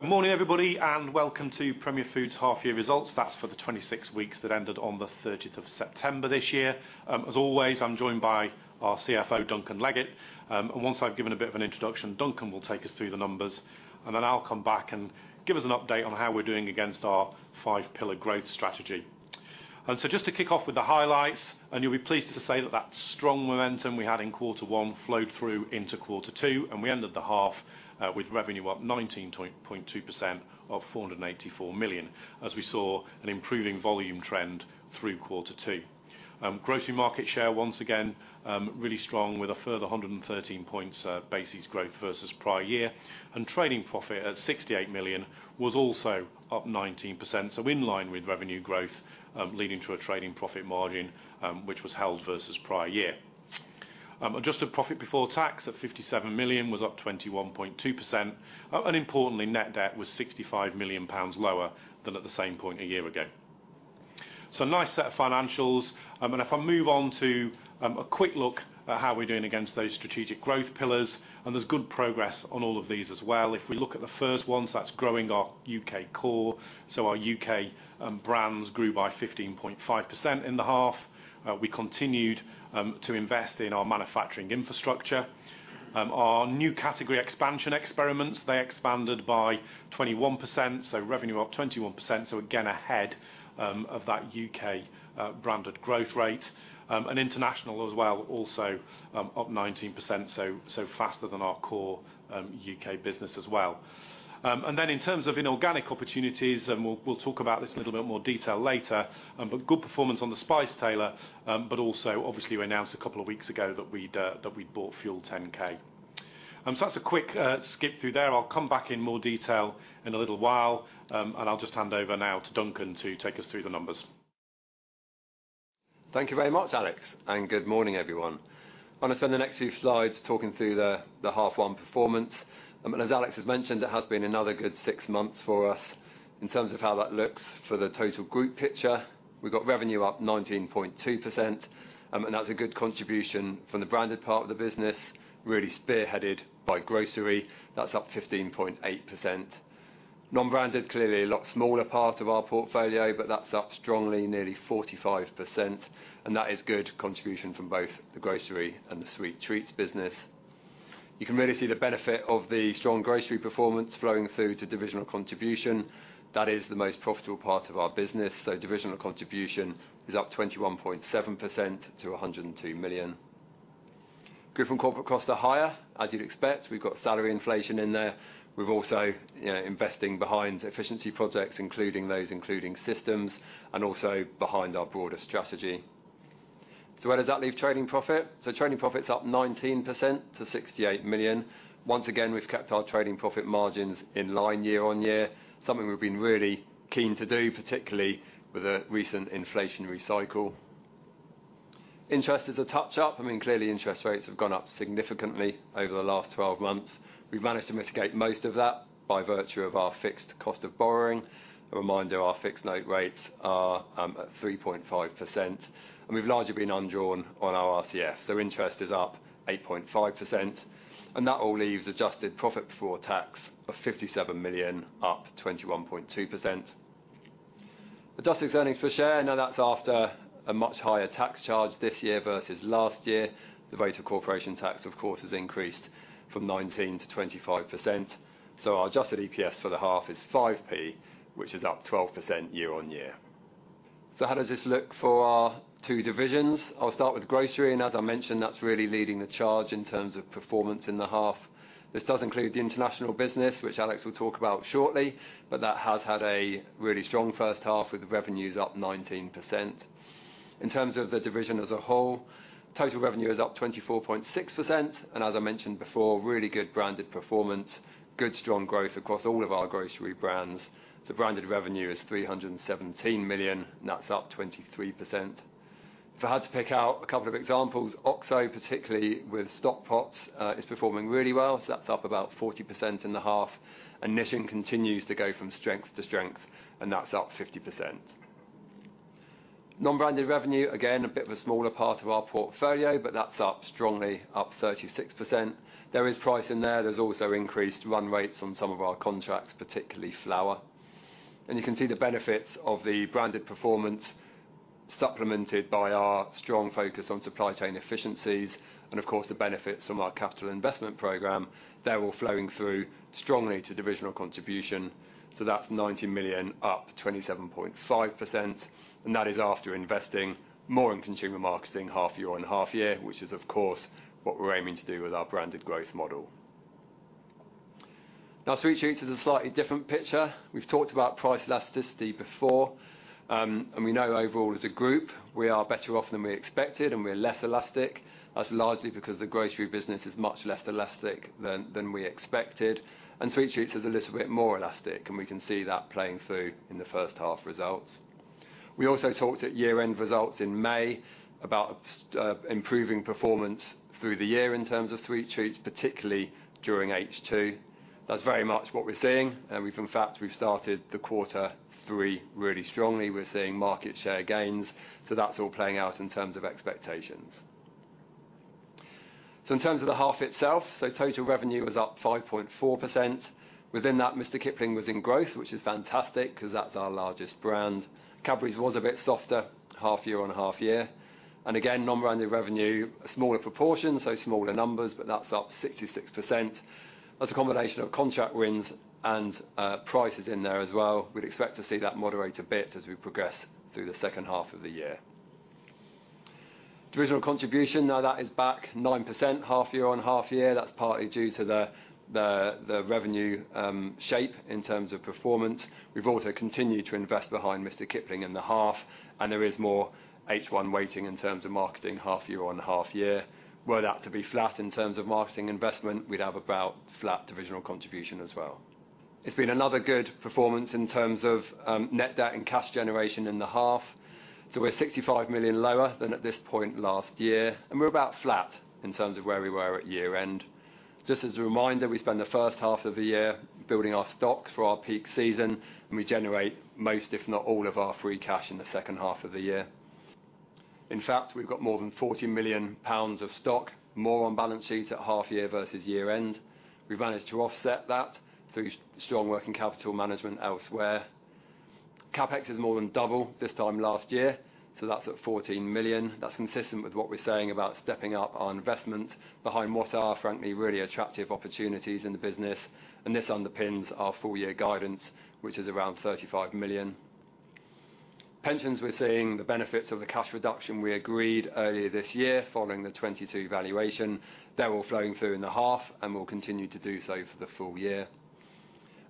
Good morning, everybody, and welcome to Premier Foods' half year results. That's for the 26 weeks that ended on the thirtieth of September this year. As always, I'm joined by our CFO, Duncan Leggett. And once I've given a bit of an introduction, Duncan will take us through the numbers, and then I'll come back and give us an update on how we're doing against our five-pillar growth strategy. So just to kick off with the highlights, and you'll be pleased to say that that strong momentum we had in quarter one flowed through into quarter two, and we ended the half with revenue up 19.2%, of 484 million, as we saw an improving volume trend through quarter two. Grocery market share, once again, really strong, with a further 113 basis points growth versus prior year. And trading profit at 68 million was also up 19%, so in line with revenue growth, leading to a trading profit margin which was held versus prior year. Adjusted profit before tax, at 57 million, was up 21.2%. And importantly, net debt was 65 million pounds lower than at the same point a year ago. So a nice set of financials. And if I move on to a quick look at how we're doing against those strategic growth pillars, and there's good progress on all of these as well. If we look at the first one, so that's growing our UK core, so our UK brands grew by 15.5% in the half. We continued to invest in our manufacturing infrastructure. Our new category expansion experiments, they expanded by 21%, so revenue up 21%, so again, ahead of that UK branded growth rate. And international as well, also up 19%, so faster than our core UK business as well. And then in terms of inorganic opportunities, and we'll talk about this in a little bit more detail later, but good performance on The Spice Tailor, but also, obviously, we announced a couple of weeks ago that we'd bought Fuel10K. So that's a quick skip through there. I'll come back in more detail in a little while, and I'll just hand over now to Duncan to take us through the numbers. Thank you very much, Alex, and good morning, everyone. I'm going to spend the next few slides talking through the half one performance. As Alex has mentioned, it has been another good six months for us. In terms of how that looks for the total group picture, we've got revenue up 19.2%, and that's a good contribution from the branded part of the business, really spearheaded by grocery. That's up 15.8%. Non-branded, clearly a lot smaller part of our portfolio, but that's up strongly, nearly 45%, and that is good contribution from both the grocery and the sweet treats business. You can really see the benefit of the strong grocery performance flowing through to divisional contribution. That is the most profitable part of our business, so divisional contribution is up 21.7% to 102 million. Group and corporate costs are higher. As you'd expect, we've got salary inflation in there. We've also, you know, investing behind efficiency projects, including those, including systems, and also behind our broader strategy. So where does that leave trading profit? So trading profit's up 19% to 68 million. Once again, we've kept our trading profit margins in line year-over-year, something we've been really keen to do, particularly with the recent inflationary cycle. Interest is a touch up. I mean, clearly, interest rates have gone up significantly over the last 12 months. We've managed to mitigate most of that by virtue of our fixed cost of borrowing. A reminder, our fixed note rates are at 3.5%, and we've largely been undrawn on our RCF. So interest is up 8.5%, and that all leaves adjusted profit before tax of 57 million, up 21.2%. Adjusted earnings per share, now that's after a much higher tax charge this year versus last year. The rate of corporation tax, of course, has increased from 19%-25%. So our adjusted EPS for the half is 5p, which is up 12% year-on-year. So how does this look for our two divisions? I'll start with grocery, and as I mentioned, that's really leading the charge in terms of performance in the half. This does include the international business, which Alex will talk about shortly, but that has had a really strong first half, with the revenues up 19%. In terms of the division as a whole, total revenue is up 24.6%, and as I mentioned before, really good branded performance, good strong growth across all of our grocery brands. So branded revenue is 317 million, and that's up 23%. If I had to pick out a couple of examples, Oxo, particularly with stock pots, is performing really well, so that's up about 40% in the half. And Nissin continues to go from strength to strength, and that's up 50%. Non-branded revenue, again, a bit of a smaller part of our portfolio, but that's up strongly, up 36%. There is price in there. There's also increased run rates on some of our contracts, particularly flour. You can see the benefits of the branded performance, supplemented by our strong focus on supply chain efficiencies and, of course, the benefits from our capital investment program. They're all flowing through strongly to divisional contribution, so that's 90 million, up 27.5%, and that is after investing more in consumer marketing half year on half year, which is, of course, what we're aiming to do with our branded growth model. Now, sweet treats is a slightly different picture. We've talked about price elasticity before, and we know overall as a group, we are better off than we expected, and we're less elastic. That's largely because the grocery business is much less elastic than we expected, and sweet treats is a little bit more elastic, and we can see that playing through in the first half results. We also talked at year-end results in May about improving performance through the year in terms of sweet treats, particularly during H2. That's very much what we're seeing, and in fact, we've started the quarter three really strongly. We're seeing market share gains, so that's all playing out in terms of expectations. So in terms of the half itself, so total revenue was up 5.4%. Within that, Mr Kipling was in growth, which is fantastic, 'cause that's our largest brand. Cadbury's was a bit softer, half year on half year. And again, non-branded revenue, a smaller proportion, so smaller numbers, but that's up 66%. That's a combination of contract wins and prices in there as well. We'd expect to see that moderate a bit as we progress through the second half of the year. Divisional contribution, now that is back 9%, half year on half year. That's partly due to the revenue shape in terms of performance. We've also continued to invest behind Mr Kipling in the half, and there is more H1 weighting in terms of marketing half year on half year. Were that to be flat in terms of marketing investment, we'd have about flat divisional contribution as well. It's been another good performance in terms of net debt and cash generation in the half. So we're 65 million lower than at this point last year, and we're about flat in terms of where we were at year-end. Just as a reminder, we spend the first half of the year building our stock for our peak season, and we generate most, if not all, of our free cash in the second half of the year. In fact, we've got more than 40 million pounds of stock, more on balance sheet at half year versus year end. We've managed to offset that through strong working capital management elsewhere. CapEx is more than double this time last year, so that's at 14 million. That's consistent with what we're saying about stepping up our investment behind what are, frankly, really attractive opportunities in the business, and this underpins our full year guidance, which is around 35 million. Pensions, we're seeing the benefits of the cash reduction we agreed earlier this year, following the 2022 valuation. They're all flowing through in the half and will continue to do so for the full year.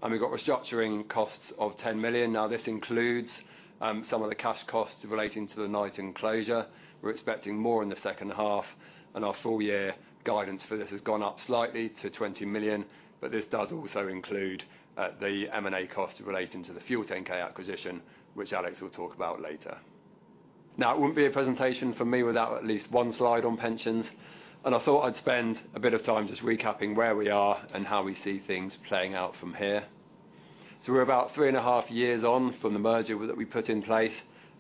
And we've got restructuring costs of 10 million. Now, this includes some of the cash costs relating to the Knighton closure. We're expecting more in the second half, and our full year guidance for this has gone up slightly to 20 million, but this does also include, the M&A costs relating to the FUEL10K acquisition, which Alex will talk about later. Now, it wouldn't be a presentation from me without at least one slide on pensions, and I thought I'd spend a bit of time just recapping where we are and how we see things playing out from here. So we're about three and a half years on from the merger that we put in place,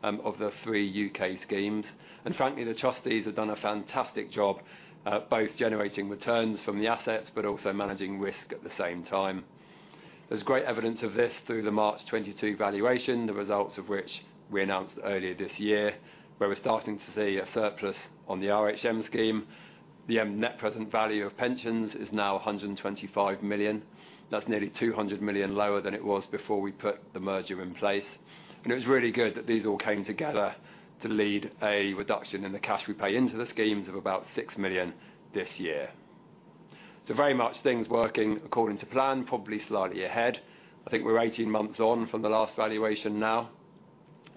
of the three UK schemes. And frankly, the trustees have done a fantastic job at both generating returns from the assets, but also managing risk at the same time. There's great evidence of this through the March 2022 valuation, the results of which we announced earlier this year, where we're starting to see a surplus on the RHM scheme. The net present value of pensions is now 125 million. That's nearly 200 million lower than it was before we put the merger in place. And it was really good that these all came together to lead a reduction in the cash we pay into the schemes of about 6 million this year. So very much things working according to plan, probably slightly ahead. I think we're 18 months on from the last valuation now,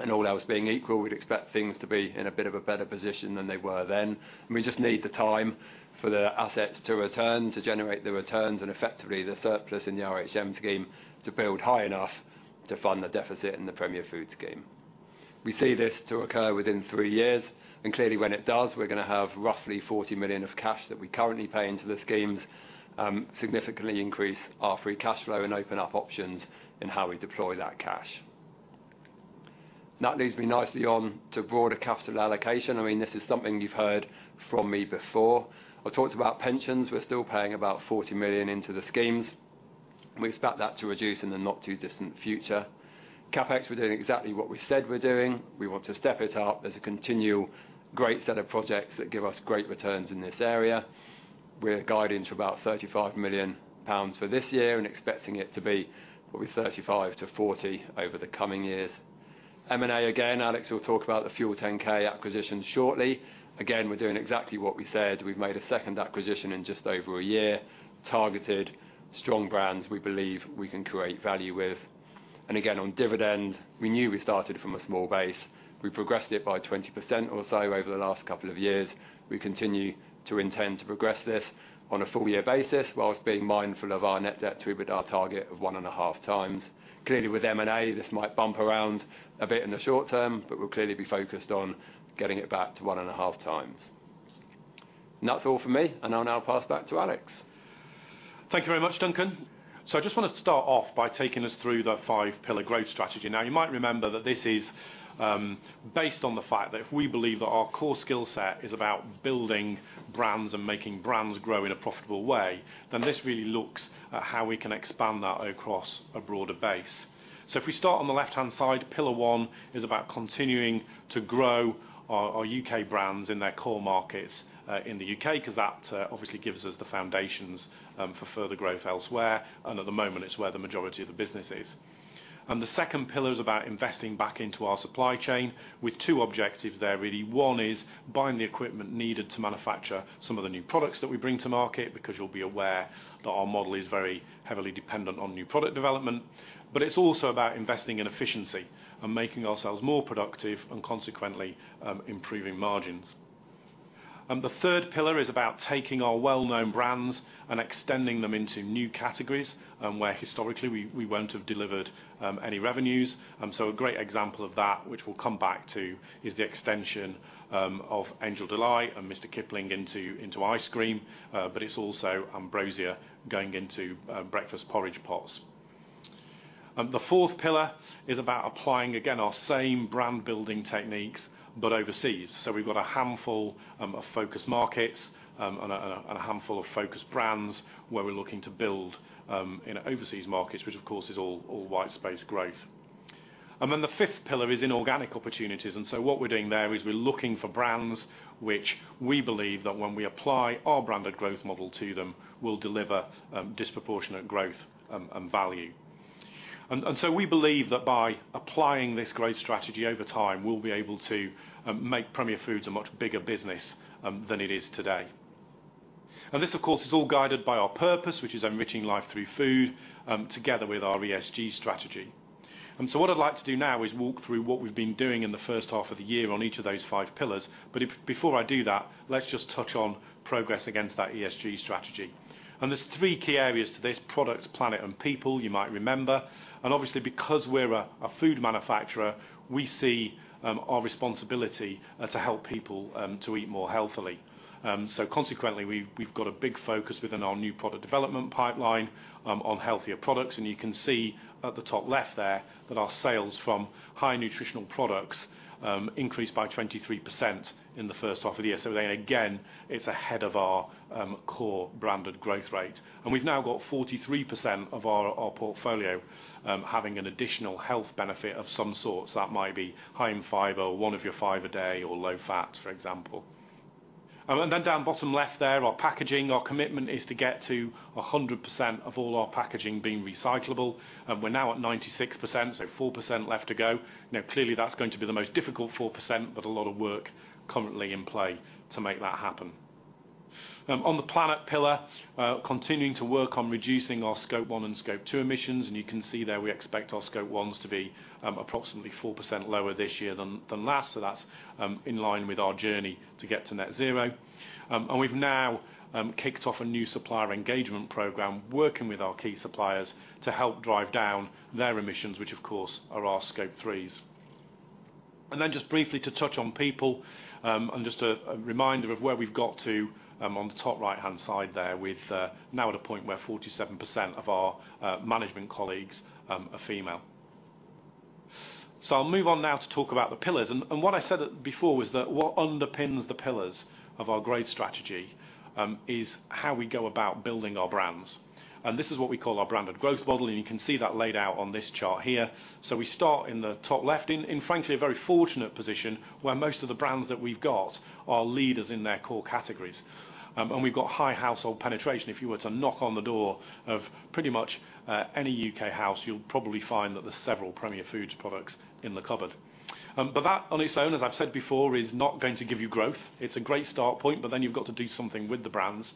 and all else being equal, we'd expect things to be in a bit of a better position than they were then. We just need the time for the assets to return, to generate the returns, and effectively, the surplus in the RHM scheme to build high enough to fund the deficit in the Premier Foods scheme. We see this to occur within three years, and clearly, when it does, we're going to have roughly 40 million of cash that we currently pay into the schemes, significantly increase our free cash flow and open up options in how we deploy that cash. That leads me nicely on to broader capital allocation. I mean, this is something you've heard from me before. I talked about pensions. We're still paying about 40 million into the schemes, and we expect that to reduce in the not-too-distant future. CapEx, we're doing exactly what we said we're doing. We want to step it up as a continual great set of projects that give us great returns in this area. We're guiding to about 35 million pounds for this year and expecting it to be, what, 35 million-40 million over the coming years. M&A, again, Alex will talk about the Fuel10K acquisition shortly. Again, we're doing exactly what we said. We've made a second acquisition in just over a year, targeted strong brands we believe we can create value with. again, on dividend, we knew we started from a small base. We progressed it by 20% or so over the last couple of years. We continue to intend to progress this on a full year basis, whilst being mindful of our net debt to EBITDA target of 1.5x. Clearly, with M&A, this might bump around a bit in the short term, but we'll clearly be focused on getting it back to 1.5x. That's all from me, and I'll now pass back to Alex. Thank you very much, Duncan. So I just wanted to start off by taking us through the five pillar growth strategy. Now, you might remember that this is based on the fact that if we believe that our core skill set is about building brands and making brands grow in a profitable way, then this really looks at how we can expand that across a broader base. So if we start on the left-hand side, pillar one is about continuing to grow our, our U.K. brands in their core markets in the U.K., 'cause that obviously gives us the foundations for further growth elsewhere, and at the moment, it's where the majority of the business is. And the second pillar is about investing back into our supply chain, with two objectives there, really. One is buying the equipment needed to manufacture some of the new products that we bring to market, because you'll be aware that our model is very heavily dependent on new product development. But it's also about investing in efficiency and making ourselves more productive and consequently, improving margins. And the third pillar is about taking our well-known brands and extending them into new categories, where historically we won't have delivered any revenues. And so a great example of that, which we'll come back to, is the extension of Angel Delight and Mr. Kipling into ice cream, but it's also Ambrosia going into breakfast porridge pots. The fourth pillar is about applying, again, our same brand building techniques, but overseas. So we've got a handful of focused markets and a handful of focused brands where we're looking to build in overseas markets, which of course is all white space growth. And then the fifth pillar is inorganic opportunities. And so what we're doing there is we're looking for brands which we believe that when we apply our Branded growth model to them, will deliver disproportionate growth and value. And so we believe that by applying this growth strategy over time, we'll be able to make Premier Foods a much bigger business than it is today. And this, of course, is all guided by our purpose, which is enriching life through food together with our ESG strategy. What I'd like to do now is walk through what we've been doing in the first half of the year on each of those five pillars. But before I do that, let's just touch on progress against that ESG strategy. There's three key areas to this: products, planet, and people, you might remember. Obviously, because we're a food manufacturer, we see our responsibility to help people to eat more healthily. So consequently, we've got a big focus within our new product development pipeline on healthier products. You can see at the top left there, that our sales from high nutritional products increased by 23% in the first half of the year. So then again, it's ahead of our core branded growth rate. We've now got 43% of our portfolio having an additional health benefit of some sorts. That might be high in fiber, one of your five a day or low fat, for example. And then down bottom left there, our packaging, our commitment is to get to 100% of all our packaging being recyclable, and we're now at 96%, so 4% left to go. Now, clearly, that's going to be the most difficult 4%, but a lot of work currently in play to make that happen. On the planet pillar, continuing to work on reducing our Scope 1 and Scope 2 emissions, and you can see there we expect our Scope 1s to be approximately 4% lower this year than last. So that's in line with our journey to get to net zero. And we've now kicked off a new supplier engagement program, working with our key suppliers to help drive down their emissions, which, of course, are our Scope 3s. And then just briefly to touch on people, and just a reminder of where we've got to, on the top right-hand side there, with now at a point where 47% of our management colleagues are female. So I'll move on now to talk about the pillars. And what I said before was that what underpins the pillars of our growth strategy is how we go about building our brands. And this is what we call our Branded Growth Model, and you can see that laid out on this chart here. So we start in the top left, in frankly, a very fortunate position where most of the brands that we've got are leaders in their core categories. And we've got high household penetration. If you were to knock on the door of pretty much any U.K. house, you'll probably find that there's several Premier Foods products in the cupboard. But that on its own, as I've said before, is not going to give you growth. It's a great start point, but then you've got to do something with the brands.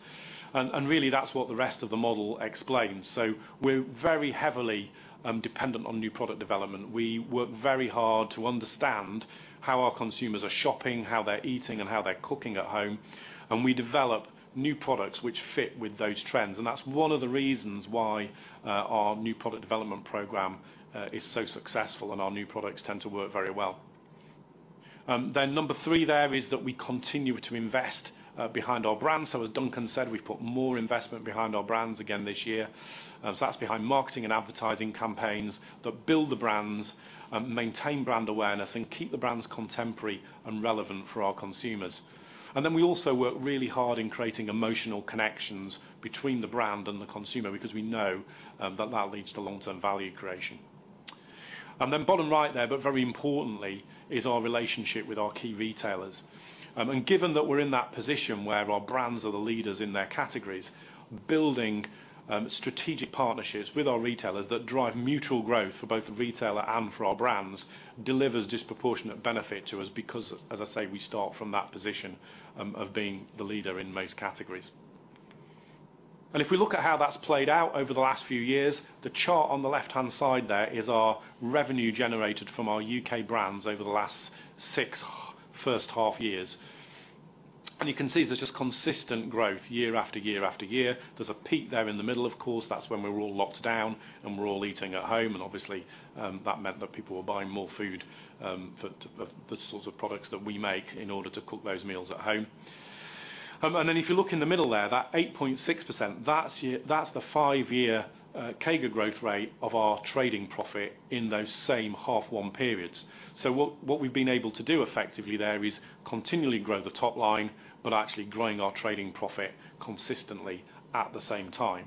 And really, that's what the rest of the model explains. So we're very heavily dependent on new product development. We work very hard to understand how our consumers are shopping, how they're eating, and how they're cooking at home. We develop new products which fit with those trends, and that's one of the reasons why our new product development program is so successful, and our new products tend to work very well. Then number three there is that we continue to invest behind our brands. So as Duncan said, we've put more investment behind our brands again this year. So that's behind marketing and advertising campaigns that build the brands, maintain brand awareness, and keep the brands contemporary and relevant for our consumers. And then we also work really hard in creating emotional connections between the brand and the consumer because we know that that leads to long-term value creation. And then bottom right there, but very importantly, is our relationship with our key retailers. Given that we're in that position where our brands are the leaders in their categories, building strategic partnerships with our retailers that drive mutual growth for both the retailer and for our brands delivers disproportionate benefit to us because, as I say, we start from that position of being the leader in most categories. If we look at how that's played out over the last few years, the chart on the left-hand side there is our revenue generated from our U.K. brands over the last six first half years. You can see there's just consistent growth year after year after year. There's a peak there in the middle, of course. That's when we were all locked down and we're all eating at home, and obviously, that meant that people were buying more food, for the sorts of products that we make in order to cook those meals at home. And then if you look in the middle there, that 8.6%, that's the five-year CAGR growth rate of our trading profit in those same half one periods. So what we've been able to do effectively there is continually grow the top line, but actually growing our trading profit consistently at the same time.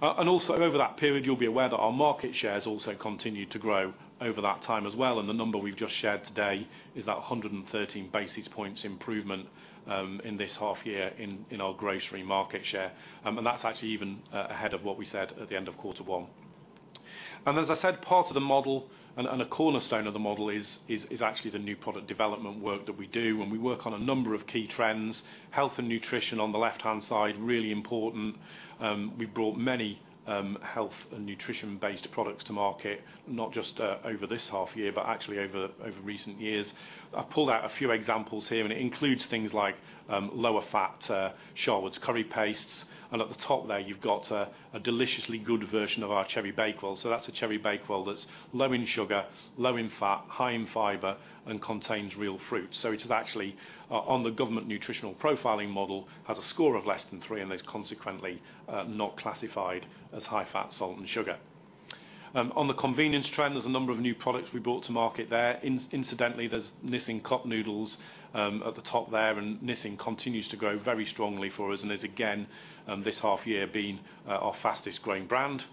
Also over that period, you'll be aware that our market share has also continued to grow over that time as well, and the number we've just shared today is that 113 basis points improvement in this half year in our grocery market share. And that's actually even ahead of what we said at the end of quarter one. As I said, part of the model and a cornerstone of the model is actually the new product development work that we do, and we work on a number of key trends. Health and nutrition on the left-hand side, really important. We've brought many health and nutrition-based products to market, not just over this half year, but actually over recent years. I pulled out a few examples here, and it includes things like lower fat Sharwood's curry pastes. And at the top there, you've got a Deliciously Good version of our Cherry Bakewell. So that's a Cherry Bakewell that's low in sugar, low in fat, high in fiber, and contains real fruit. So it is actually on the government nutritional profiling model, has a score of less than three and is consequently not classified as high fat, salt, and sugar. On the convenience trend, there's a number of new products we brought to market there. Incidentally, there's Nissin Cup Noodles at the top there, and Nissin continues to grow very strongly for us, and is again this half year being our fastest-growing brand.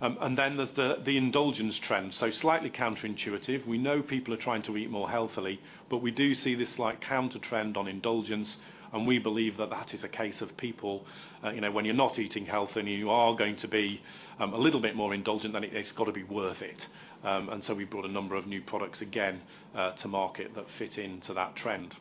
And then there's the indulgence trend. So slightly counterintuitive. We know people are trying to eat more healthily, but we do see this, like, counter trend on indulgence, and we believe that that is a case of people, you know, when you're not eating healthy and you are going to be, a little bit more indulgent, then it, it's got to be worth it. And so we brought a number of new products again, to market that fit into that trend.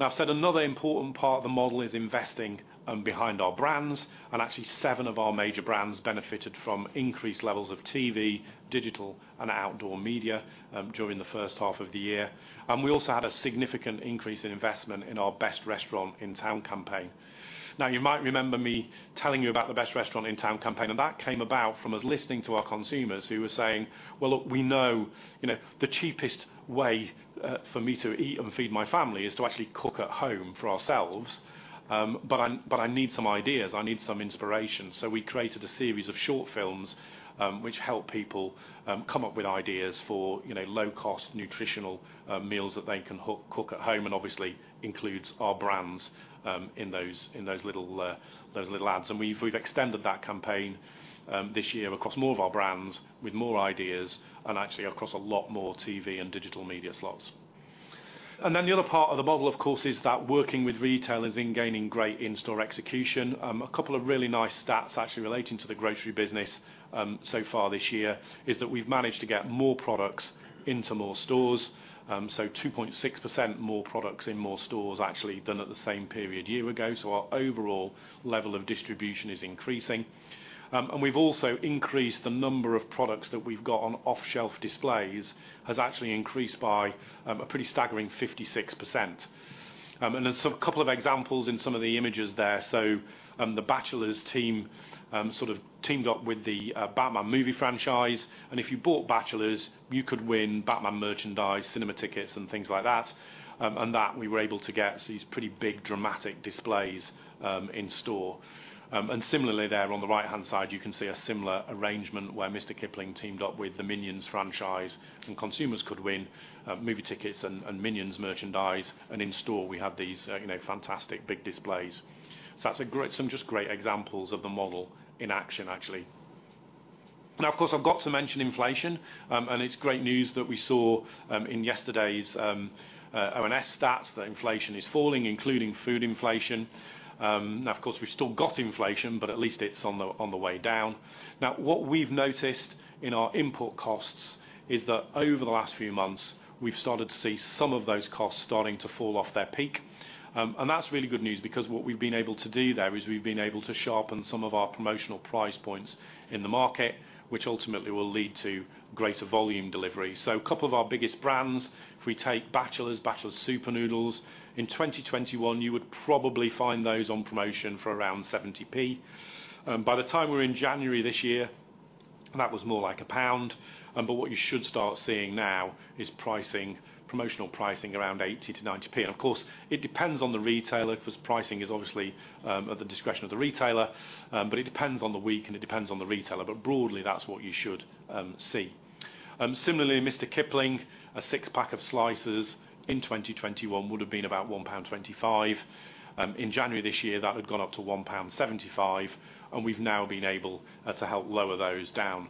Now, I've said another important part of the model is investing, behind our brands, and actually, seven of our major brands benefited from increased levels of TV, digital, and outdoor media, during the first half of the year. We also had a significant increase in investment in our Best Restaurant in Town campaign. Now, you might remember me telling you about the Best Restaurant in Town campaign, and that came about from us listening to our consumers, who were saying, "Well, look, we know, you know, the cheapest way for me to eat and feed my family is to actually cook at home for ourselves, but I need some ideas. I need some inspiration." So we created a series of short films, which help people come up with ideas for, you know, low-cost, nutritional meals that they can cook at home, and obviously includes our brands in those little ads. And we've extended that campaign this year across more of our brands with more ideas and actually across a lot more TV and digital media slots. And then the other part of the model, of course, is that working with retailers in gaining great in-store execution. A couple of really nice stats actually relating to the grocery business, so far this year, is that we've managed to get more products into more stores. So 2.6% more products in more stores actually, than at the same period a year ago. So our overall level of distribution is increasing. And we've also increased the number of products that we've got on off-shelf displays, has actually increased by a pretty staggering 56%. And there's a couple of examples in some of the images there. So, the Batchelors team sort of teamed up with the Batman movie franchise, and if you bought Batchelors, you could win Batman merchandise, cinema tickets, and things like that. And that we were able to get these pretty big, dramatic displays in store. And similarly there, on the right-hand side, you can see a similar arrangement where Mr Kipling teamed up with the Minions franchise, and consumers could win movie tickets and Minions merchandise. And in store, we had these, you know, fantastic big displays. So that's a great, some just great examples of the model in action, actually. Now, of course, I've got to mention inflation, and it's great news that we saw in yesterday's ONS stats that inflation is falling, including food inflation. Now, of course, we've still got inflation, but at least it's on the way down. Now, what we've noticed in our import costs is that over the last few months, we've started to see some of those costs starting to fall off their peak. And that's really good news, because what we've been able to do there is we've been able to sharpen some of our promotional price points in the market, which ultimately will lead to greater volume delivery. So a couple of our biggest brands, if we take Batchelors, Batchelors Super Noodles, in 2021, you would probably find those on promotion for around 0.70. By the time we're in January this year, that was more like GBP 1. But what you should start seeing now is pricing, promotional pricing around 0.80-0.90. And of course, it depends on the retailer, 'cause pricing is obviously at the discretion of the retailer. But it depends on the week, and it depends on the retailer, but broadly, that's what you should see. Similarly, Mr Kipling, a six-pack of slices in 2021 would've been about 1.25 pound. In January this year, that had gone up to 1.75 pound, and we've now been able to help lower those down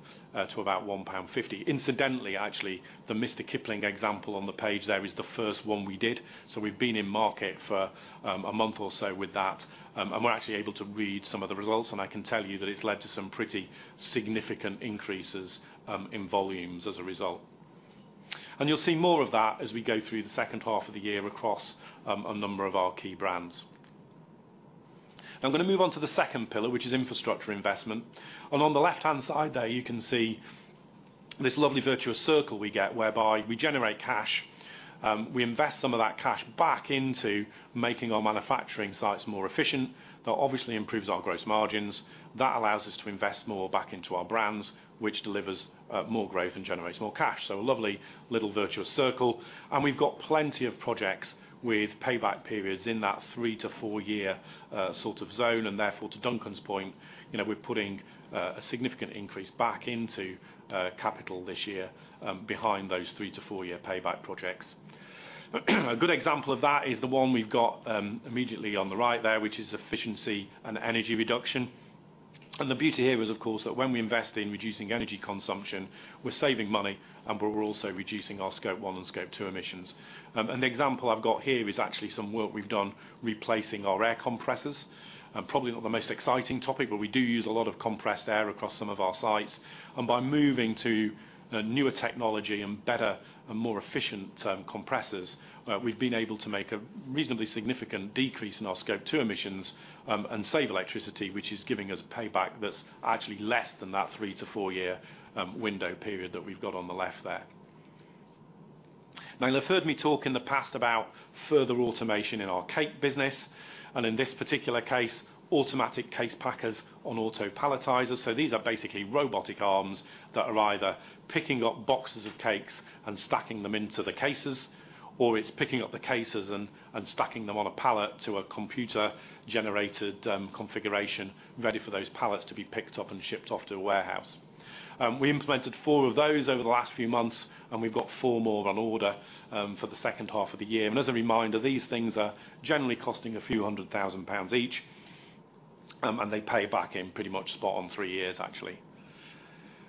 to about 1.50 pound. Incidentally, actually, the Mr Kipling example on the page there is the first one we did, so we've been in market for a month or so with that. And we're actually able to read some of the results, and I can tell you that it's led to some pretty significant increases in volumes as a result. You'll see more of that as we go through the second half of the year across a number of our key brands. I'm gonna move on to the second pillar, which is infrastructure investment. On the left-hand side there, you can see this lovely virtuous circle we get, whereby we generate cash. We invest some of that cash back into making our manufacturing sites more efficient. That obviously improves our gross margins. That allows us to invest more back into our brands, which delivers more growth and generates more cash. So a lovely little virtuous circle, and we've got plenty of projects with payback periods in that 3-to-4-year sort of zone. And therefore, to Duncan's point, you know, we're putting a significant increase back into capital this year behind those 3-to-4-year payback projects. A good example of that is the one we've got immediately on the right there, which is efficiency and energy reduction. The beauty here is, of course, that when we invest in reducing energy consumption, we're saving money, and we're also reducing our Scope One and Scope Two emissions. An example I've got here is actually some work we've done replacing our air compressors. Probably not the most exciting topic, but we do use a lot of compressed air across some of our sites. By moving to a newer technology and better and more efficient compressors, we've been able to make a reasonably significant decrease in our Scope Two emissions and save electricity, which is giving us a payback that's actually less than that 3-4-year window period that we've got on the left there. Now, you'll have heard me talk in the past about further automation in our cake business, and in this particular case, automatic case packers on auto palletizers. So these are basically robotic arms that are either picking up boxes of cakes and stacking them into the cases, or it's picking up the cases and stacking them on a pallet to a computer-generated configuration, ready for those pallets to be picked up and shipped off to a warehouse. We implemented 4 of those over the last few months, and we've got 4 more on order for the second half of the year. And as a reminder, these things are generally costing a few hundred thousand GBP each, and they pay back in pretty much spot on 3 years, actually.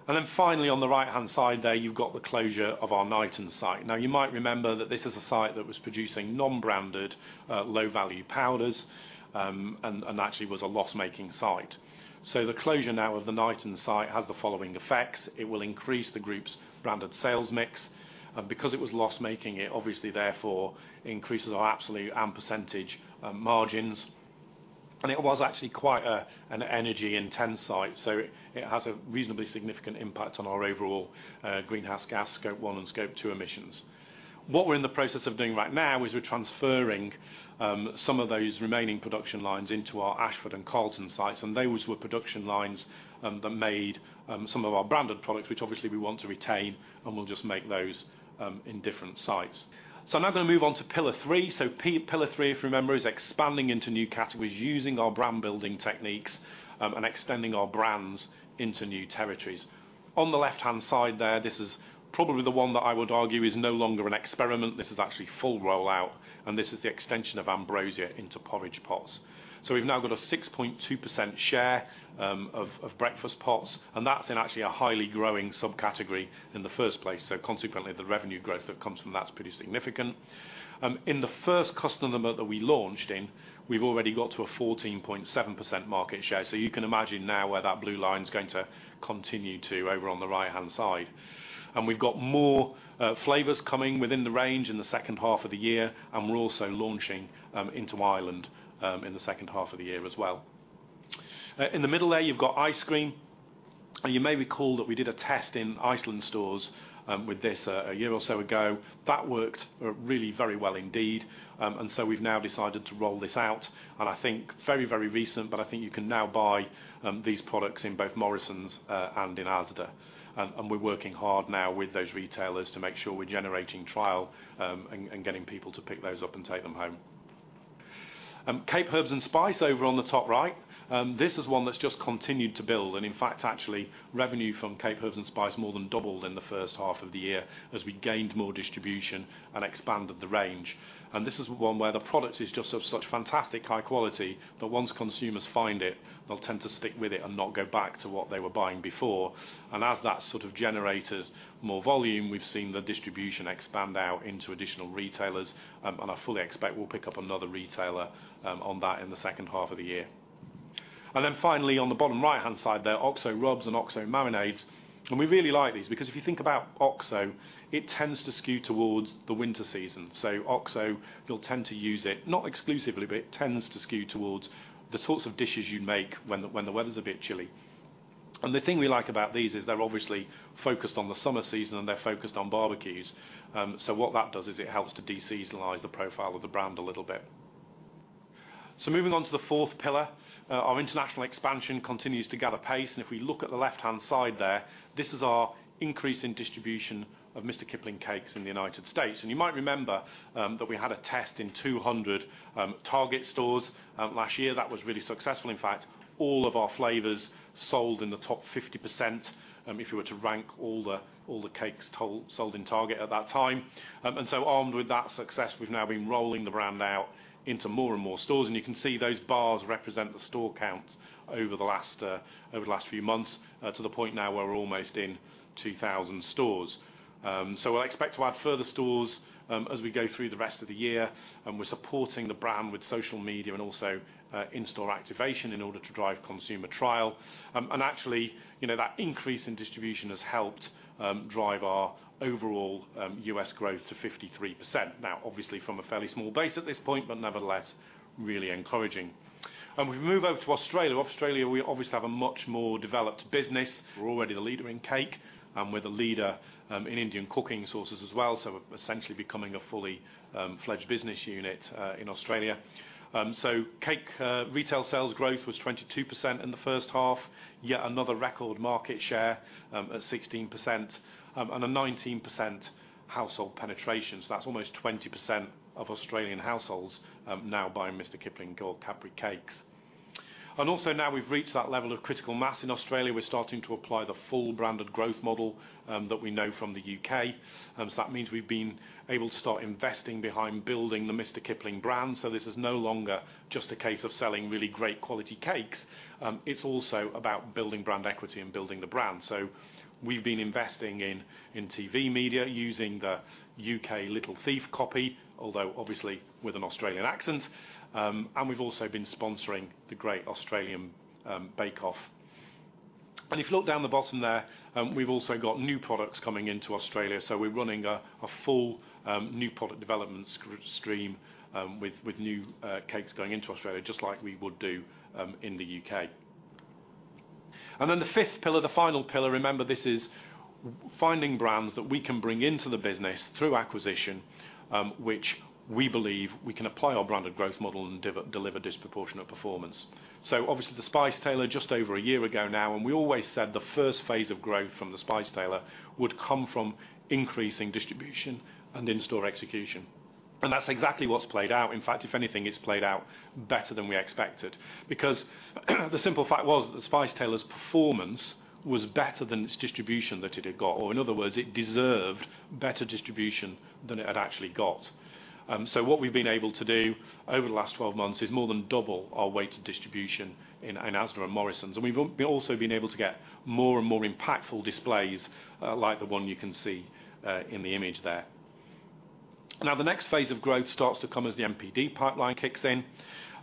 And then finally, on the right-hand side there, you've got the closure of our Knighton site. Now, you might remember that this is a site that was producing non-branded, low-value powders, and actually was a loss-making site. So the closure now of the Knighton site has the following effects. It will increase the group's branded sales mix. And because it was loss-making, it obviously therefore increases our absolute and percentage margins. And it was actually quite an energy-intensive site, so it has a reasonably significant impact on our overall greenhouse gas Scope One and Scope Two emissions. What we're in the process of doing right now is we're transferring some of those remaining production lines into our Ashford and Carlton sites, and those were production lines that made some of our branded products, which obviously we want to retain, and we'll just make those in different sites. So I'm now going to move on to pillar three. So pillar three, if you remember, is expanding into new categories, using our brand-building techniques, and extending our brands into new territories. On the left-hand side there, this is probably the one that I would argue is no longer an experiment. This is actually full rollout, and this is the extension of Ambrosia into porridge pots. So we've now got a 6.2% share of breakfast pots, and that's in actually a highly growing subcategory in the first place, so consequently, the revenue growth that comes from that is pretty significant. In the first customer that we launched in, we've already got to a 14.7% market share, so you can imagine now where that blue line's going to continue to over on the right-hand side. We've got more flavors coming within the range in the second half of the year, and we're also launching into Ireland in the second half of the year as well. In the middle there, you've got ice cream, and you may recall that we did a test in Iceland stores with this a year or so ago. That worked really very well indeed, and so we've now decided to roll this out, and I think very, very recent, but I think you can now buy these products in both Morrisons and in Asda. And we're working hard now with those retailers to make sure we're generating trial and getting people to pick those up and take them home. Cape Herb & Spice over on the top right, this is one that's just continued to build, and in fact, actually, revenue from Cape Herb & Spice more than doubled in the first half of the year as we gained more distribution and expanded the range. And this is one where the product is just of such fantastic high quality, that once consumers find it, they'll tend to stick with it and not go back to what they were buying before. And as that sort of generates more volume, we've seen the distribution expand out into additional retailers, and I fully expect we'll pick up another retailer, on that in the second half of the year. And then finally, on the bottom right-hand side there, Oxo rubs and Oxo marinades, and we really like these, because if you think about Oxo, it tends to skew towards the winter season. So Oxo, you'll tend to use it, not exclusively, but it tends to skew towards the sorts of dishes you make when the weather's a bit chilly. And the thing we like about these is they're obviously focused on the summer season, and they're focused on barbecues. So what that does is it helps to de-seasonalize the profile of the brand a little bit. So moving on to the fourth pillar, our international expansion continues to gather pace, and if we look at the left-hand side there, this is our increase in distribution of Mr Kipling Cakes in the United States. And you might remember that we had a test in 200 Target stores last year. That was really successful. In fact, all of our flavors sold in the top 50%, if you were to rank all the cakes sold in Target at that time. And so armed with that success, we've now been rolling the brand out into more and more stores, and you can see those bars represent the store count over the last few months to the point now where we're almost in 2,000 stores. So I expect to add further stores as we go through the rest of the year, and we're supporting the brand with social media and also in-store activation in order to drive consumer trial. And actually, you know, that increase in distribution has helped drive our overall U.S. growth to 53%. Now, obviously, from a fairly small base at this point, but nevertheless, really encouraging. And we move over to Australia. Australia, we obviously have a much more developed business. We're already the leader in cake, and we're the leader in Indian cooking sauces as well, so we're essentially becoming a fully fledged business unit in Australia. So cake retail sales growth was 22% in the first half, yet another record market share at 16%, and a 19% household penetration. So that's almost 20% of Australian households now buying Mr Kipling or Capri Cakes. And also now we've reached that level of critical mass in Australia. We're starting to apply the full branded growth model that we know from the UK. So that means we've been able to start investing behind building the Mr Kipling brand. So this is no longer just a case of selling really great quality cakes, it's also about building brand equity and building the brand. So we've been investing in TV media, using the UK Little Thief copy, although obviously with an Australian accent, and we've also been sponsoring the Great Australian Bake Off. And if you look down the bottom there, we've also got new products coming into Australia, so we're running a full new product development stream with new cakes going into Australia, just like we would do in the UK. And then the fifth pillar, the final pillar, remember, this is-... Finding brands that we can bring into the business through acquisition, which we believe we can apply our Branded growth model and deliver disproportionate performance. So obviously, The Spice Tailor, just over a year ago now, and we always said the first phase of growth from The Spice Tailor would come from increasing distribution and in-store execution. And that's exactly what's played out. In fact, if anything, it's played out better than we expected. Because the simple fact was that The Spice Tailor's performance was better than its distribution that it had got, or in other words, it deserved better distribution than it had actually got. So what we've been able to do over the last 12 months is more than double our weighted distribution in Asda and Morrisons. And we've also been able to get more and more impactful displays, like the one you can see in the image there. Now, the next phase of growth starts to come as the NPD pipeline kicks in.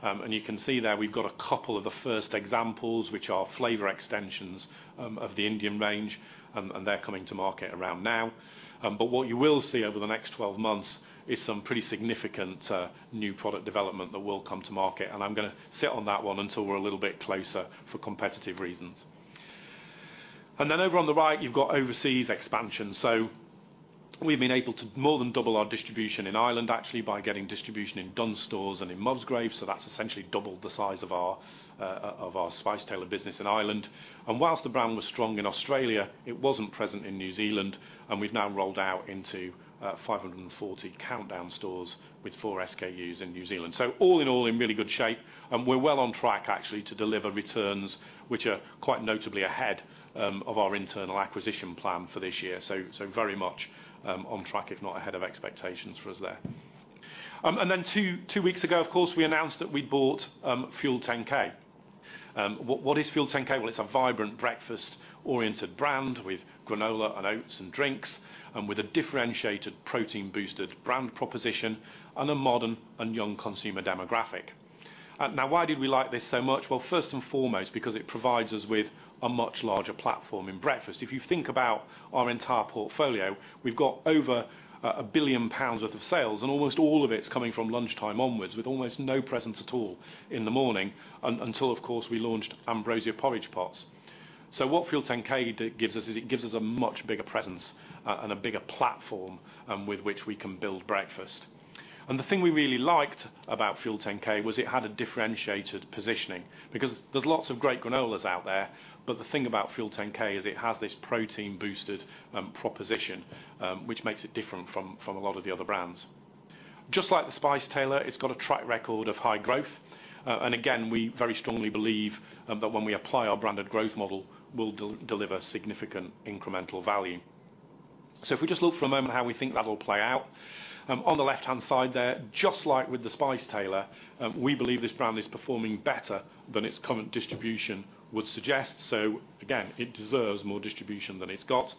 And you can see there, we've got a couple of the first examples, which are flavor extensions of the Indian range, and they're coming to market around now. But what you will see over the next 12 months is some pretty significant new product development that will come to market. And I'm gonna sit on that one until we're a little bit closer for competitive reasons. And then over on the right, you've got overseas expansion. So we've been able to more than double our distribution in Ireland, actually, by getting distribution in Dunnes Stores and in Musgrave. So that's essentially doubled the size of our Spice Tailor business in Ireland. And while the brand was strong in Australia, it wasn't present in New Zealand, and we've now rolled out into 540 Countdown stores with 4 SKUs in New Zealand. So all in all, in really good shape, and we're well on track, actually, to deliver returns, which are quite notably ahead of our internal acquisition plan for this year. So very much on track, if not ahead of expectations for us there. And then 2 weeks ago, of course, we announced that we'd bought Fuel10K. What is Fuel10K? Well, it's a vibrant, breakfast-oriented brand with granola and oats and drinks, and with a differentiated protein-boosted brand proposition and a modern and young consumer demographic. Now, why did we like this so much? Well, first and foremost, because it provides us with a much larger platform in breakfast. If you think about our entire portfolio, we've got over 1 billion pounds worth of sales, and almost all of it's coming from lunchtime onwards, with almost no presence at all in the morning until, of course, we launched Ambrosia Porridge Pots. So what Fuel10K gives us is it gives us a much bigger presence and a bigger platform with which we can build breakfast. And the thing we really liked about Fuel10K was it had a differentiated positioning. Because there's lots of great granolas out there, but the thing about Fuel10K is it has this protein-boosted proposition which makes it different from a lot of the other brands. Just like The Spice Tailor, it's got a track record of high growth, and again, we very strongly believe that when we apply our branded growth model, we'll deliver significant incremental value. So if we just look for a moment how we think that'll play out, on the left-hand side there, just like with The Spice Tailor, we believe this brand is performing better than its current distribution would suggest. So again, it deserves more distribution than it's got.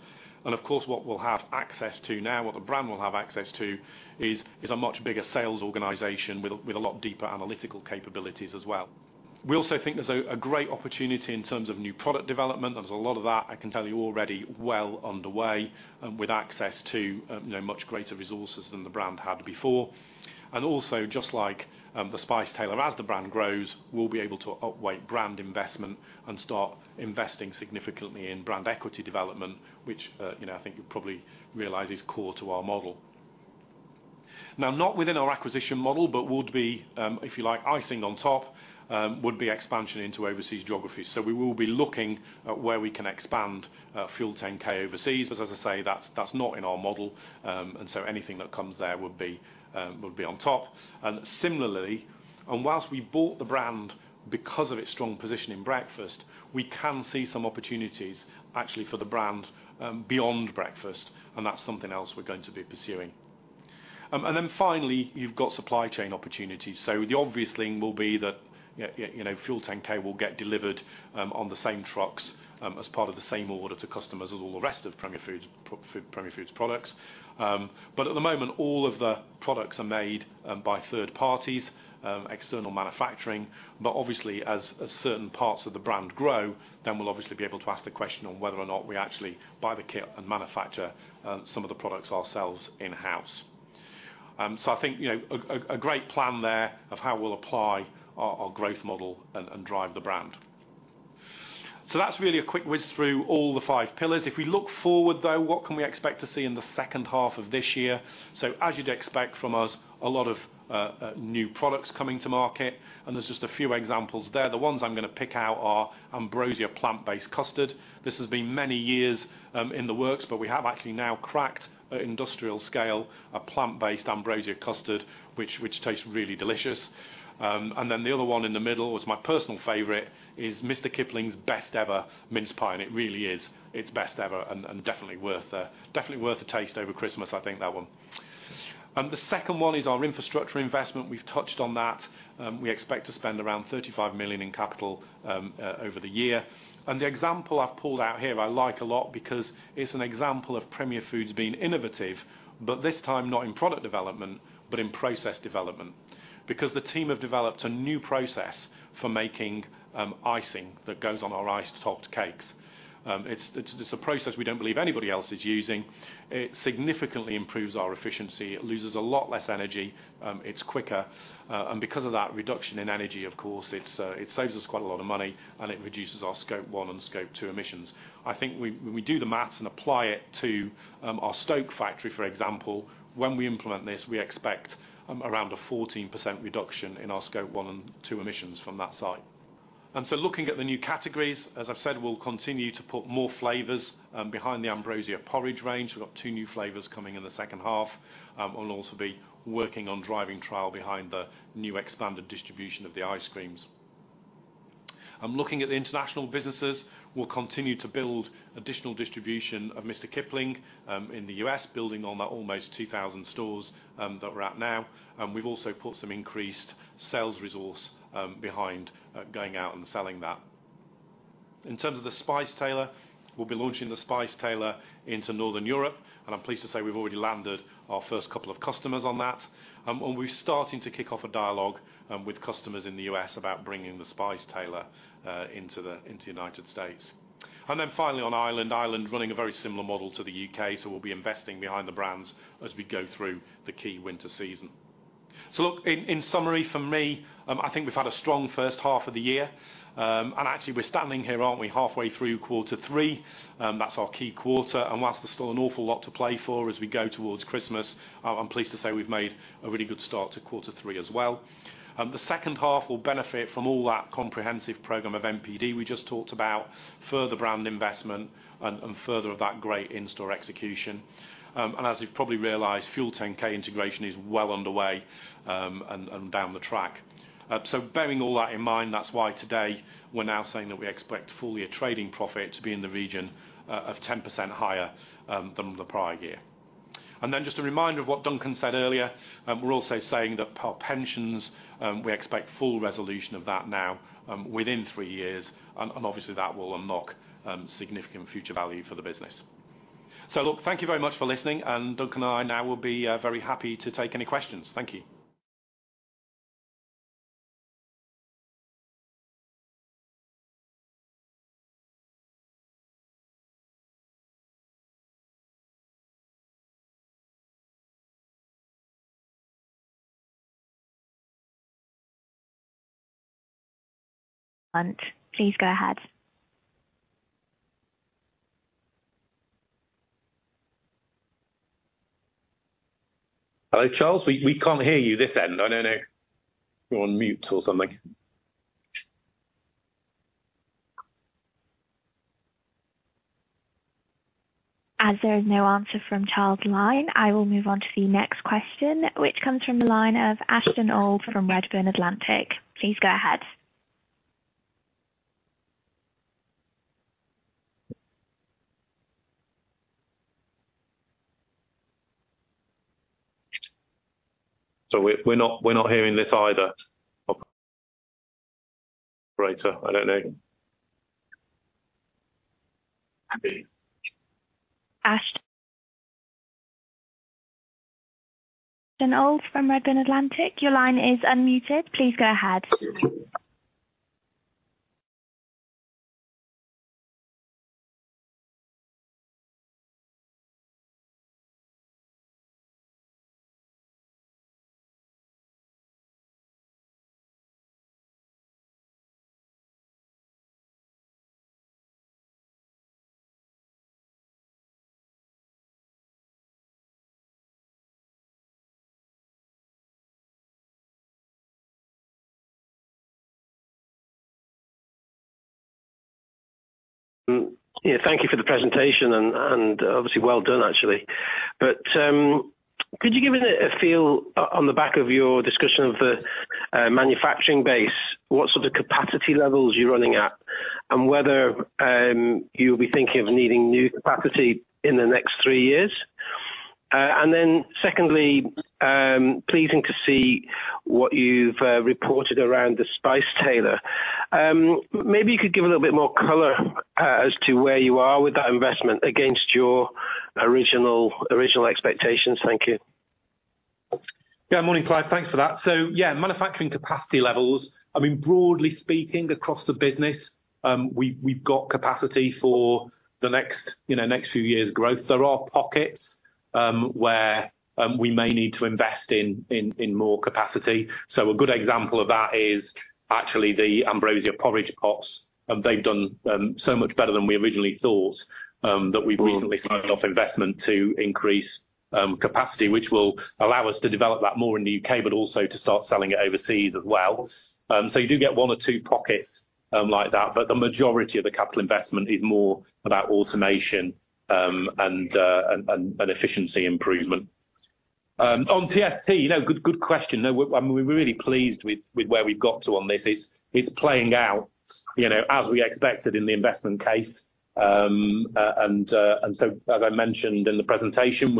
And of course, what we'll have access to now, what the brand will have access to, is a much bigger sales organization with a lot deeper analytical capabilities as well. We also think there's a great opportunity in terms of new product development. There's a lot of that, I can tell you, already well underway, with access to, you know, much greater resources than the brand had before. And also, just like, The Spice Tailor, as the brand grows, we'll be able to outweigh brand investment and start investing significantly in brand equity development, which, you know, I think you probably realize is core to our model. Now, not within our acquisition model, but would be, if you like, icing on top, would be expansion into overseas geographies. So we will be looking at where we can expand, Fuel10K overseas, because as I say, that's, that's not in our model. And so anything that comes there would be, would be on top. Similarly, while we bought the brand because of its strong position in breakfast, we can see some opportunities actually for the brand beyond breakfast, and that's something else we're going to be pursuing. And then finally, you've got supply chain opportunities. So the obvious thing will be that you know, Fuel10K will get delivered on the same trucks as part of the same order to customers as all the rest of Premier Foods products. But at the moment, all of the products are made by third parties, external manufacturing. But obviously, as certain parts of the brand grow, then we'll obviously be able to ask the question on whether or not we actually buy the kit and manufacture some of the products ourselves in-house. So I think, you know, a great plan there of how we'll apply our growth model and drive the brand. So that's really a quick whiz through all the five pillars. If we look forward, though, what can we expect to see in the second half of this year? So as you'd expect from us, a lot of new products coming to market, and there's just a few examples there. The ones I'm going to pick out are Ambrosia plant-based custard. This has been many years in the works, but we have actually now cracked at industrial scale a plant-based Ambrosia custard, which tastes really delicious. And then the other one in the middle is my personal favorite, is Mr. Kipling's Best Ever Mince Pie, and it really is its best ever and definitely worth a taste over Christmas, I think, that one. The second one is our infrastructure investment. We've touched on that. We expect to spend around 35 million in capital over the year. And the example I've pulled out here, I like a lot because it's an example of Premier Foods being innovative, but this time not in product development, but in process development. Because the team have developed a new process for making icing that goes on our iced topped cakes. It's a process we don't believe anybody else is using. It significantly improves our efficiency, it loses a lot less energy, it's quicker, and because of that reduction in energy, of course, it saves us quite a lot of money, and it reduces our Scope 1 and Scope 2 emissions. I think we, when we do the math and apply it to our Stoke factory, for example, when we implement this, we expect around a 14% reduction in our Scope 1 and Scope 2 emissions from that site. So looking at the new categories, as I've said, we'll continue to put more flavors behind the Ambrosia porridge range. We've got two new flavors coming in the second half. We'll also be working on driving trial behind the new expanded distribution of the ice creams. Looking at the international businesses, we'll continue to build additional distribution of Mr. Kipling, in the US, building on that almost 2,000 stores, that we're at now. And we've also put some increased sales resource, behind, going out and selling that. In terms of the Spice Tailor, we'll be launching the Spice Tailor into Northern Europe, and I'm pleased to say we've already landed our first couple of customers on that. And we're starting to kick off a dialogue, with customers in the US about bringing the Spice Tailor, into the United States. And then finally, on Ireland. Ireland, running a very similar model to the UK, so we'll be investing behind the brands as we go through the key winter season. So look, in summary for me, I think we've had a strong first half of the year. And actually we're standing here, aren't we, halfway through quarter three? That's our key quarter, and while there's still an awful lot to play for as we go towards Christmas, I'm pleased to say we've made a really good start to quarter three as well. The second half will benefit from all that comprehensive program of NPD we just talked about, further brand investment and further of that great in-store execution. And as you've probably realized, Fuel10K integration is well underway, and down the track. So bearing all that in mind, that's why today we're now saying that we expect full year trading profit to be in the region of 10% higher than the prior year. Then just a reminder of what Duncan said earlier, we're also saying that our pensions, we expect full resolution of that now, within three years, and obviously that will unlock significant future value for the business. So look, thank you very much for listening, and Duncan and I now will be very happy to take any questions. Thank you. Please go ahead. Hello, Charles, we can't hear you this end. I don't know. You're on mute or something. As there is no answer from Charles Hall's line, I will move on to the next question, which comes from the line of Ashton Mayfield from Redburn Atlantic. Please go ahead. So we're not, we're not hearing this either. Operator, I don't know. Ashton Mayfield from Redburn Atlantic, your line is unmuted. Please go ahead. Yeah, thank you for the presentation and obviously well done, actually. But could you give me a feel on the back of your discussion of the manufacturing base, what sort of capacity levels you're running at? And whether you'll be thinking of needing new capacity in the next three years. And then secondly, pleasing to see what you've reported around The Spice Tailor. Maybe you could give a little bit more color as to where you are with that investment against your original, original expectations. Thank you. Yeah, morning, Clive, thanks for that. So yeah, manufacturing capacity levels, I mean, broadly speaking, across the business, we've got capacity for the next, you know, next few years' growth. There are pockets where we may need to invest in more capacity. So a good example of that is actually the Ambrosia porridge pots, and they've done so much better than we originally thought, that we've recently- Mm. -signed off investment to increase capacity, which will allow us to develop that more in the UK, but also to start selling it overseas as well. So you do get one or two pockets like that, but the majority of the capital investment is more about automation and efficiency improvement. On TST, you know, good question. No, we're really pleased with where we've got to on this. It's playing out, you know, as we expected in the investment case. So, as I mentioned in the presentation,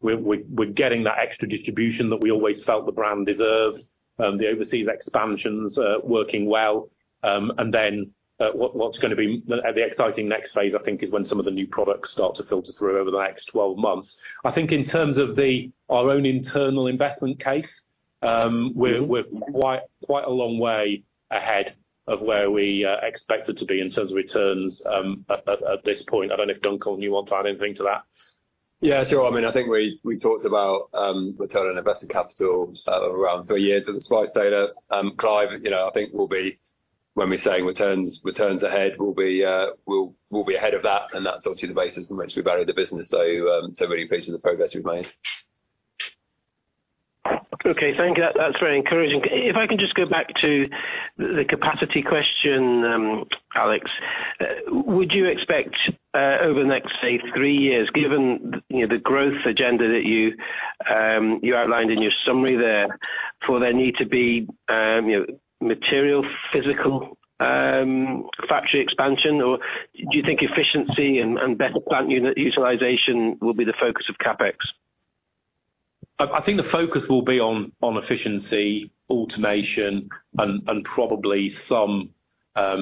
we're getting that extra distribution that we always felt the brand deserved. The overseas expansions are working well. And then, what's going to be the exciting next phase, I think, is when some of the new products start to filter through over the next 12 months. I think in terms of the... our own internal investment case, Mm. We're quite a long way ahead of where we expected to be in terms of returns at this point. I don't know if, Duncan, you want to add anything to that? Yeah, sure. I mean, I think we, we talked about return on invested capital around three years at The Spice Tailor. Clive, you know, I think we'll be, when we're saying returns, returns ahead, we'll be, we'll, we'll be ahead of that, and that's obviously the basis on which we value the business. So, so really pleased with the progress we've made.... Okay, thank you. That, that's very encouraging. If I can just go back to the capacity question, Alex, would you expect over the next, say, three years, given, you know, the growth agenda that you outlined in your summary there, for there need to be, you know, material, physical, factory expansion, or do you think efficiency and better plant unit utilization will be the focus of CapEx? I think the focus will be on efficiency, automation, and probably some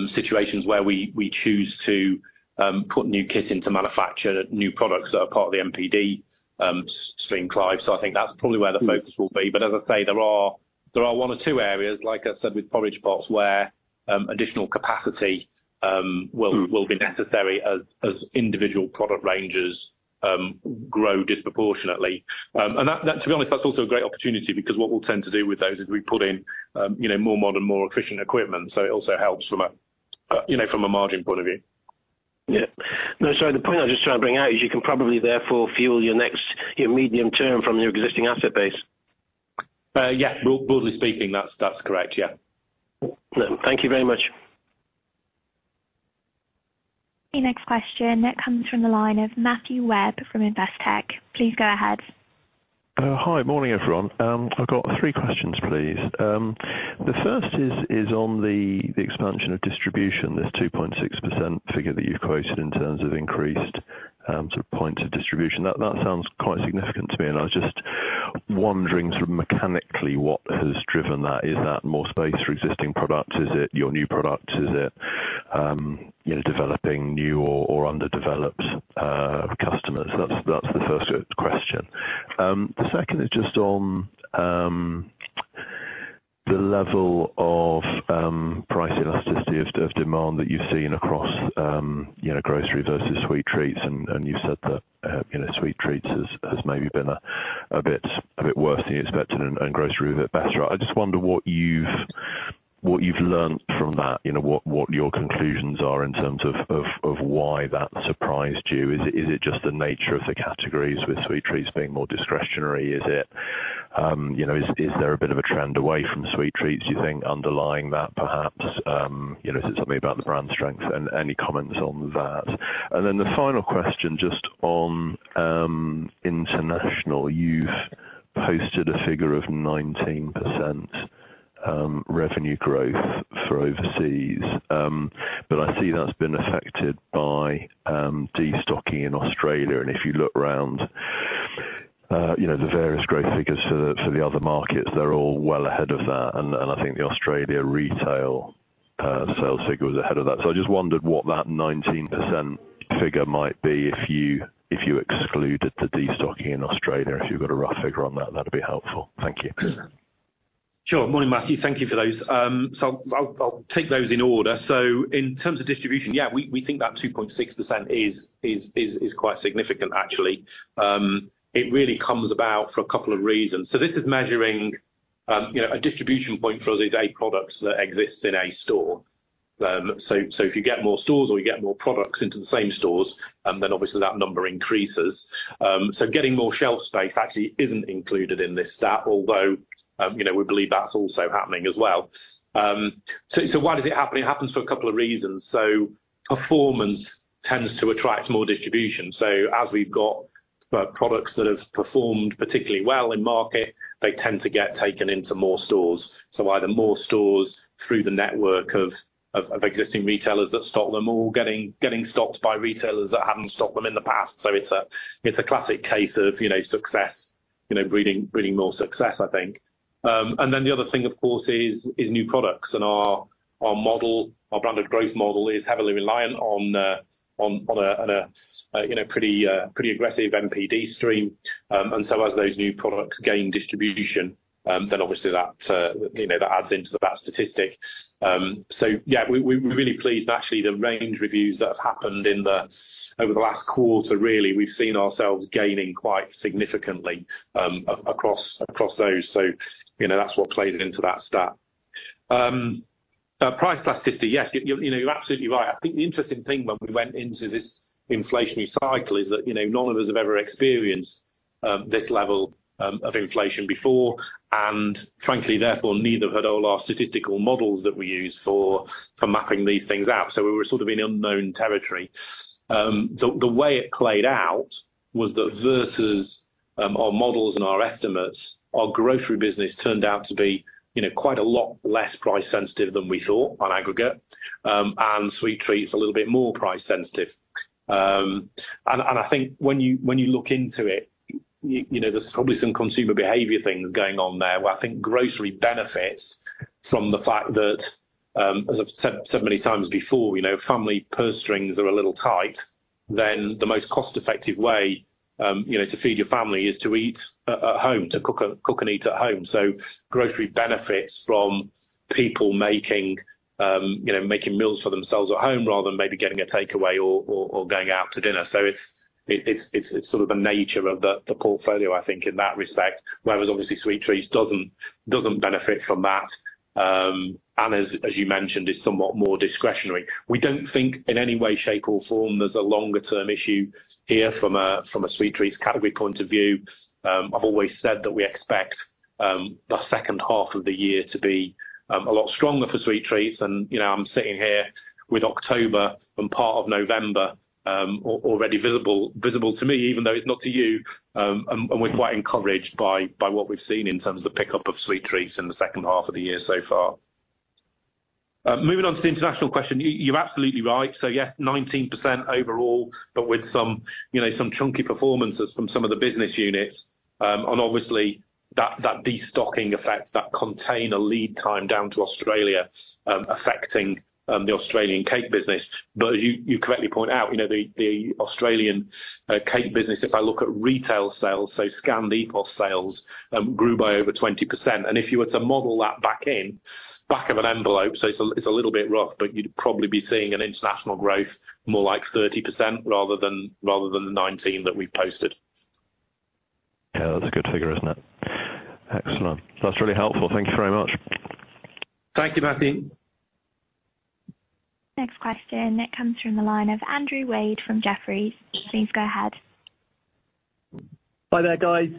situations where we choose to put new kit into manufacture new products that are part of the NPD stream, Clive. So I think that's probably where the focus will be. But as I say, there are one or two areas, like I said, with porridge pots, where additional capacity will- Mm. will be necessary as individual product ranges grow disproportionately. And that, to be honest, that's also a great opportunity because what we'll tend to do with those is we put in you know, more modern, more efficient equipment, so it also helps from a you know, from a margin point of view. Yeah. No, sorry, the point I was just trying to bring out is you can probably therefore fuel your next, you know, medium term from your existing asset base. Yeah, broadly speaking, that's correct. Yeah. Thank you very much. The next question, that comes from the line of Matthew Webb from Investec. Please go ahead. Hi, morning, everyone. I've got three questions, please. The first is on the expansion of distribution, this 2.6% figure that you've quoted in terms of increased sort of point of distribution. That sounds quite significant to me, and I was just wondering sort of mechanically, what has driven that? Is that more space for existing products? Is it your new product? Is it, you know, developing new or underdeveloped customers? That's the first question. The second is just on the level of price elasticity of demand that you've seen across, you know, grocery versus sweet treats, and you said that, you know, sweet treats has maybe been a bit worse than you expected and grocery a bit better. I just wonder what you've learned from that, you know, what your conclusions are in terms of why that surprised you. Is it just the nature of the categories with sweet treats being more discretionary? Is it, you know, is there a bit of a trend away from sweet treats, do you think, underlying that perhaps, you know, is it something about the brand strength? And any comments on that. And then the final question, just on international. You've posted a figure of 19% revenue growth for overseas, but I see that's been affected by destocking in Australia. If you look around, you know, the various growth figures for the, for the other markets, they're all well ahead of that, and I think the Australia retail sales figure was ahead of that. I just wondered what that 19% figure might be if you excluded the destocking in Australia. If you've got a rough figure on that, that'd be helpful. Thank you. Sure. Morning, Matthew. Thank you for those. So I'll take those in order. So in terms of distribution, yeah, we think that 2.6% is quite significant actually. It really comes about for a couple of reasons. So this is measuring, you know, a distribution point for us is a product that exists in a store. So if you get more stores or you get more products into the same stores, then obviously that number increases. So getting more shelf space actually isn't included in this stat, although, you know, we believe that's also happening as well. So why does it happen? It happens for a couple of reasons. So performance tends to attract more distribution. So as we've got products that have performed particularly well in market, they tend to get taken into more stores. So either more stores through the network of existing retailers that stock them or getting stocked by retailers that haven't stocked them in the past. So it's a classic case of, you know, success, you know, breeding more success, I think. And then the other thing, of course, is new products, and our model, our branded growth model is heavily reliant on a, you know, pretty aggressive NPD stream. And so as those new products gain distribution, then obviously that adds into that statistic. So yeah, we're really pleased. Actually, the range reviews that have happened over the last quarter really we've seen ourselves gaining quite significantly across those. So, you know, that's what plays into that stat. Price elasticity, yes, you know, you're absolutely right. I think the interesting thing when we went into this inflationary cycle is that, you know, none of us have ever experienced this level of inflation before, and frankly, therefore, neither had all our statistical models that we use for mapping these things out. So we were sort of in unknown territory. The way it played out was that versus our models and our estimates, our grocery business turned out to be, you know, quite a lot less price sensitive than we thought on aggregate, and sweet treats a little bit more price sensitive. I think when you look into it, you know, there's probably some consumer behavior things going on there, where I think grocery benefits from the fact that, as I've said many times before, you know, family purse strings are a little tight, then the most cost-effective way, you know, to feed your family is to eat at home, to cook and eat at home. So grocery benefits from people making, you know, meals for themselves at home rather than maybe getting a takeaway or going out to dinner. So it's sort of the nature of the portfolio, I think, in that respect, whereas obviously sweet treats doesn't benefit from that. And as you mentioned, it is somewhat more discretionary. We don't think in any way, shape, or form there's a longer term issue here from a sweet treats category point of view. I've always said that we expect the second half of the year to be a lot stronger for sweet treats. And, you know, I'm sitting here with October and part of November already visible to me, even though it's not to you, and we're quite encouraged by what we've seen in terms of the pickup of sweet treats in the second half of the year so far. Moving on to the international question, you're absolutely right. So yes, 19% overall, but with some, you know, some chunky performances from some of the business units, and obviously, that, that destocking effect, that container lead time down to Australia, affecting, the Australian cake business. But as you, you correctly point out, you know, the, the Australian, cake business, if I look at retail sales, so scanned EPOS sales, grew by over 20%. And if you were to model that back in, back of an envelope, so it's a, it's a little bit rough, but you'd probably be seeing an international growth more like 30%, rather than, rather than the 19 that we've posted. Yeah, that's a good figure, isn't it? Excellent. That's really helpful. Thank you very much. Thank you, Matthew. Next question, it comes from the line of Andrew Wade from Jefferies. Please go ahead. Hi there, guys.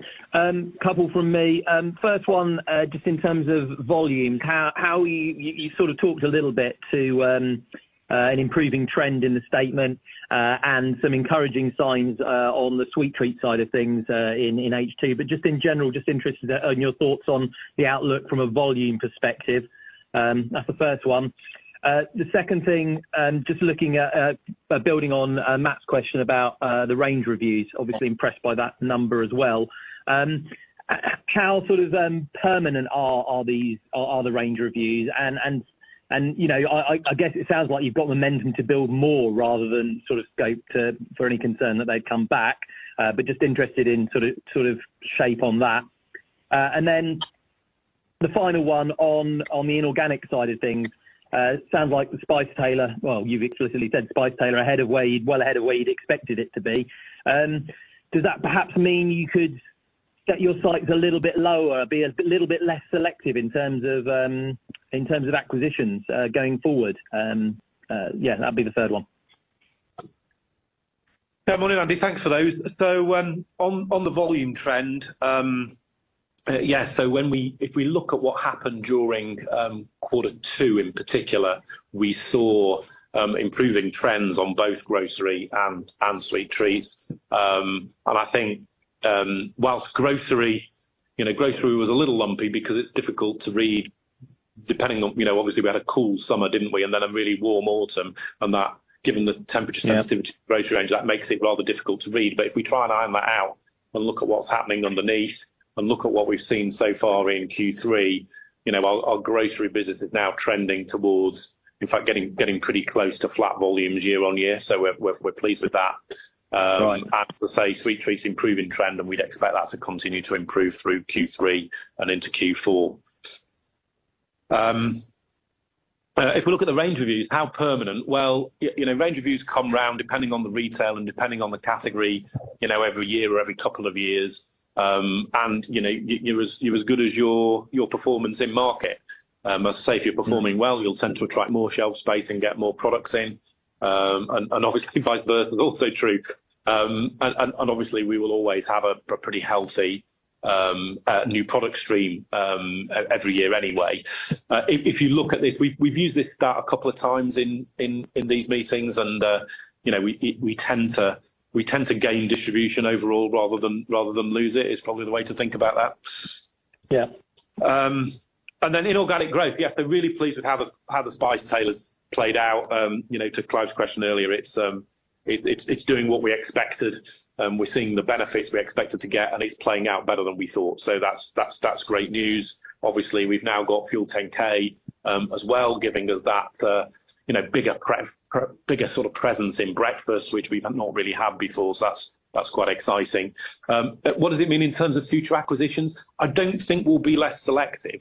Couple from me. First one, just in terms of volumes, how you sort of talked a little bit to an improving trend in the statement, and some encouraging signs on the sweet treat side of things, in H2. But just in general, just interested in your thoughts on the outlook from a volume perspective. That's the first one. The second thing, just looking at building on Matt's question about the range reviews, obviously impressed by that number as well. How sort of permanent are these range reviews? And you know, I guess it sounds like you've got momentum to build more rather than sort of scope for any concern that they'd come back. But just interested in sort of shape on that. And then the final one on the inorganic side of things, sounds like The Spice Tailor. Well, you've explicitly said The Spice Tailor ahead of where you'd expected it to be. Does that perhaps mean you could set your sights a little bit lower, be a little bit less selective in terms of acquisitions going forward? Yeah, that'd be the third one. Yeah, morning, Andy. Thanks for those. So, on the volume trend, yes, so when we-- if we look at what happened during quarter two in particular, we saw improving trends on both grocery and sweet treats. And I think, while grocery, you know, grocery was a little lumpy because it's difficult to read, depending on, you know, obviously, we had a cool summer, didn't we? And then a really warm autumn, and that, given the temperature sensitivity- Yeah... grocery range, that makes it rather difficult to read. But if we try and iron that out and look at what's happening underneath and look at what we've seen so far in Q3, you know, our grocery business is now trending towards, in fact, getting pretty close to flat volumes year on year. So we're pleased with that. Right. And as I say, sweet treats improving trend, and we'd expect that to continue to improve through Q3 and into Q4. If we look at the range reviews, how permanent? Well, you know, range reviews come around, depending on the retail and depending on the category, you know, every year or every couple of years. And, you know, you're as good as your performance in market. As I say, if you're performing well, you'll tend to attract more shelf space and get more products in. And obviously, we will always have a pretty healthy new product stream every year anyway. If you look at this, we've used this stat a couple of times in these meetings, and, you know, we tend to gain distribution overall rather than lose it, is probably the way to think about that. Yeah. And then inorganic growth. Yes, we're really pleased with how the Spice Tailor's played out. You know, to Clive's question earlier, it's doing what we expected, and we're seeing the benefits we expected to get, and it's playing out better than we thought. So that's great news. Obviously, we've now got Fuel 10K as well, giving us that, you know, bigger sort of presence in breakfast, which we've not really had before. So that's quite exciting. What does it mean in terms of future acquisitions? I don't think we'll be less selective.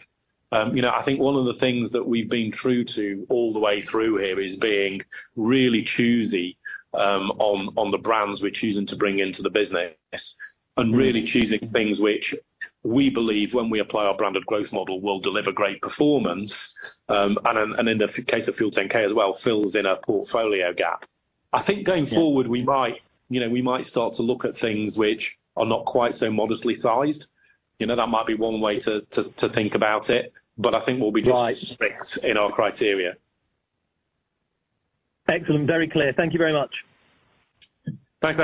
You know, I think one of the things that we've been true to all the way through here is being really choosy on the brands we're choosing to bring into the business. Mm-hmm. And really choosing things which we believe, when we apply our branded growth model, will deliver great performance, and then in the case of Fuel10K as well, fills in a portfolio gap. Yeah. I think going forward, we might, you know, we might start to look at things which are not quite so modestly sized. You know, that might be one way to think about it, but I think we'll be- Right... strict in our criteria. Excellent. Very clear. Thank you very much. Thanks,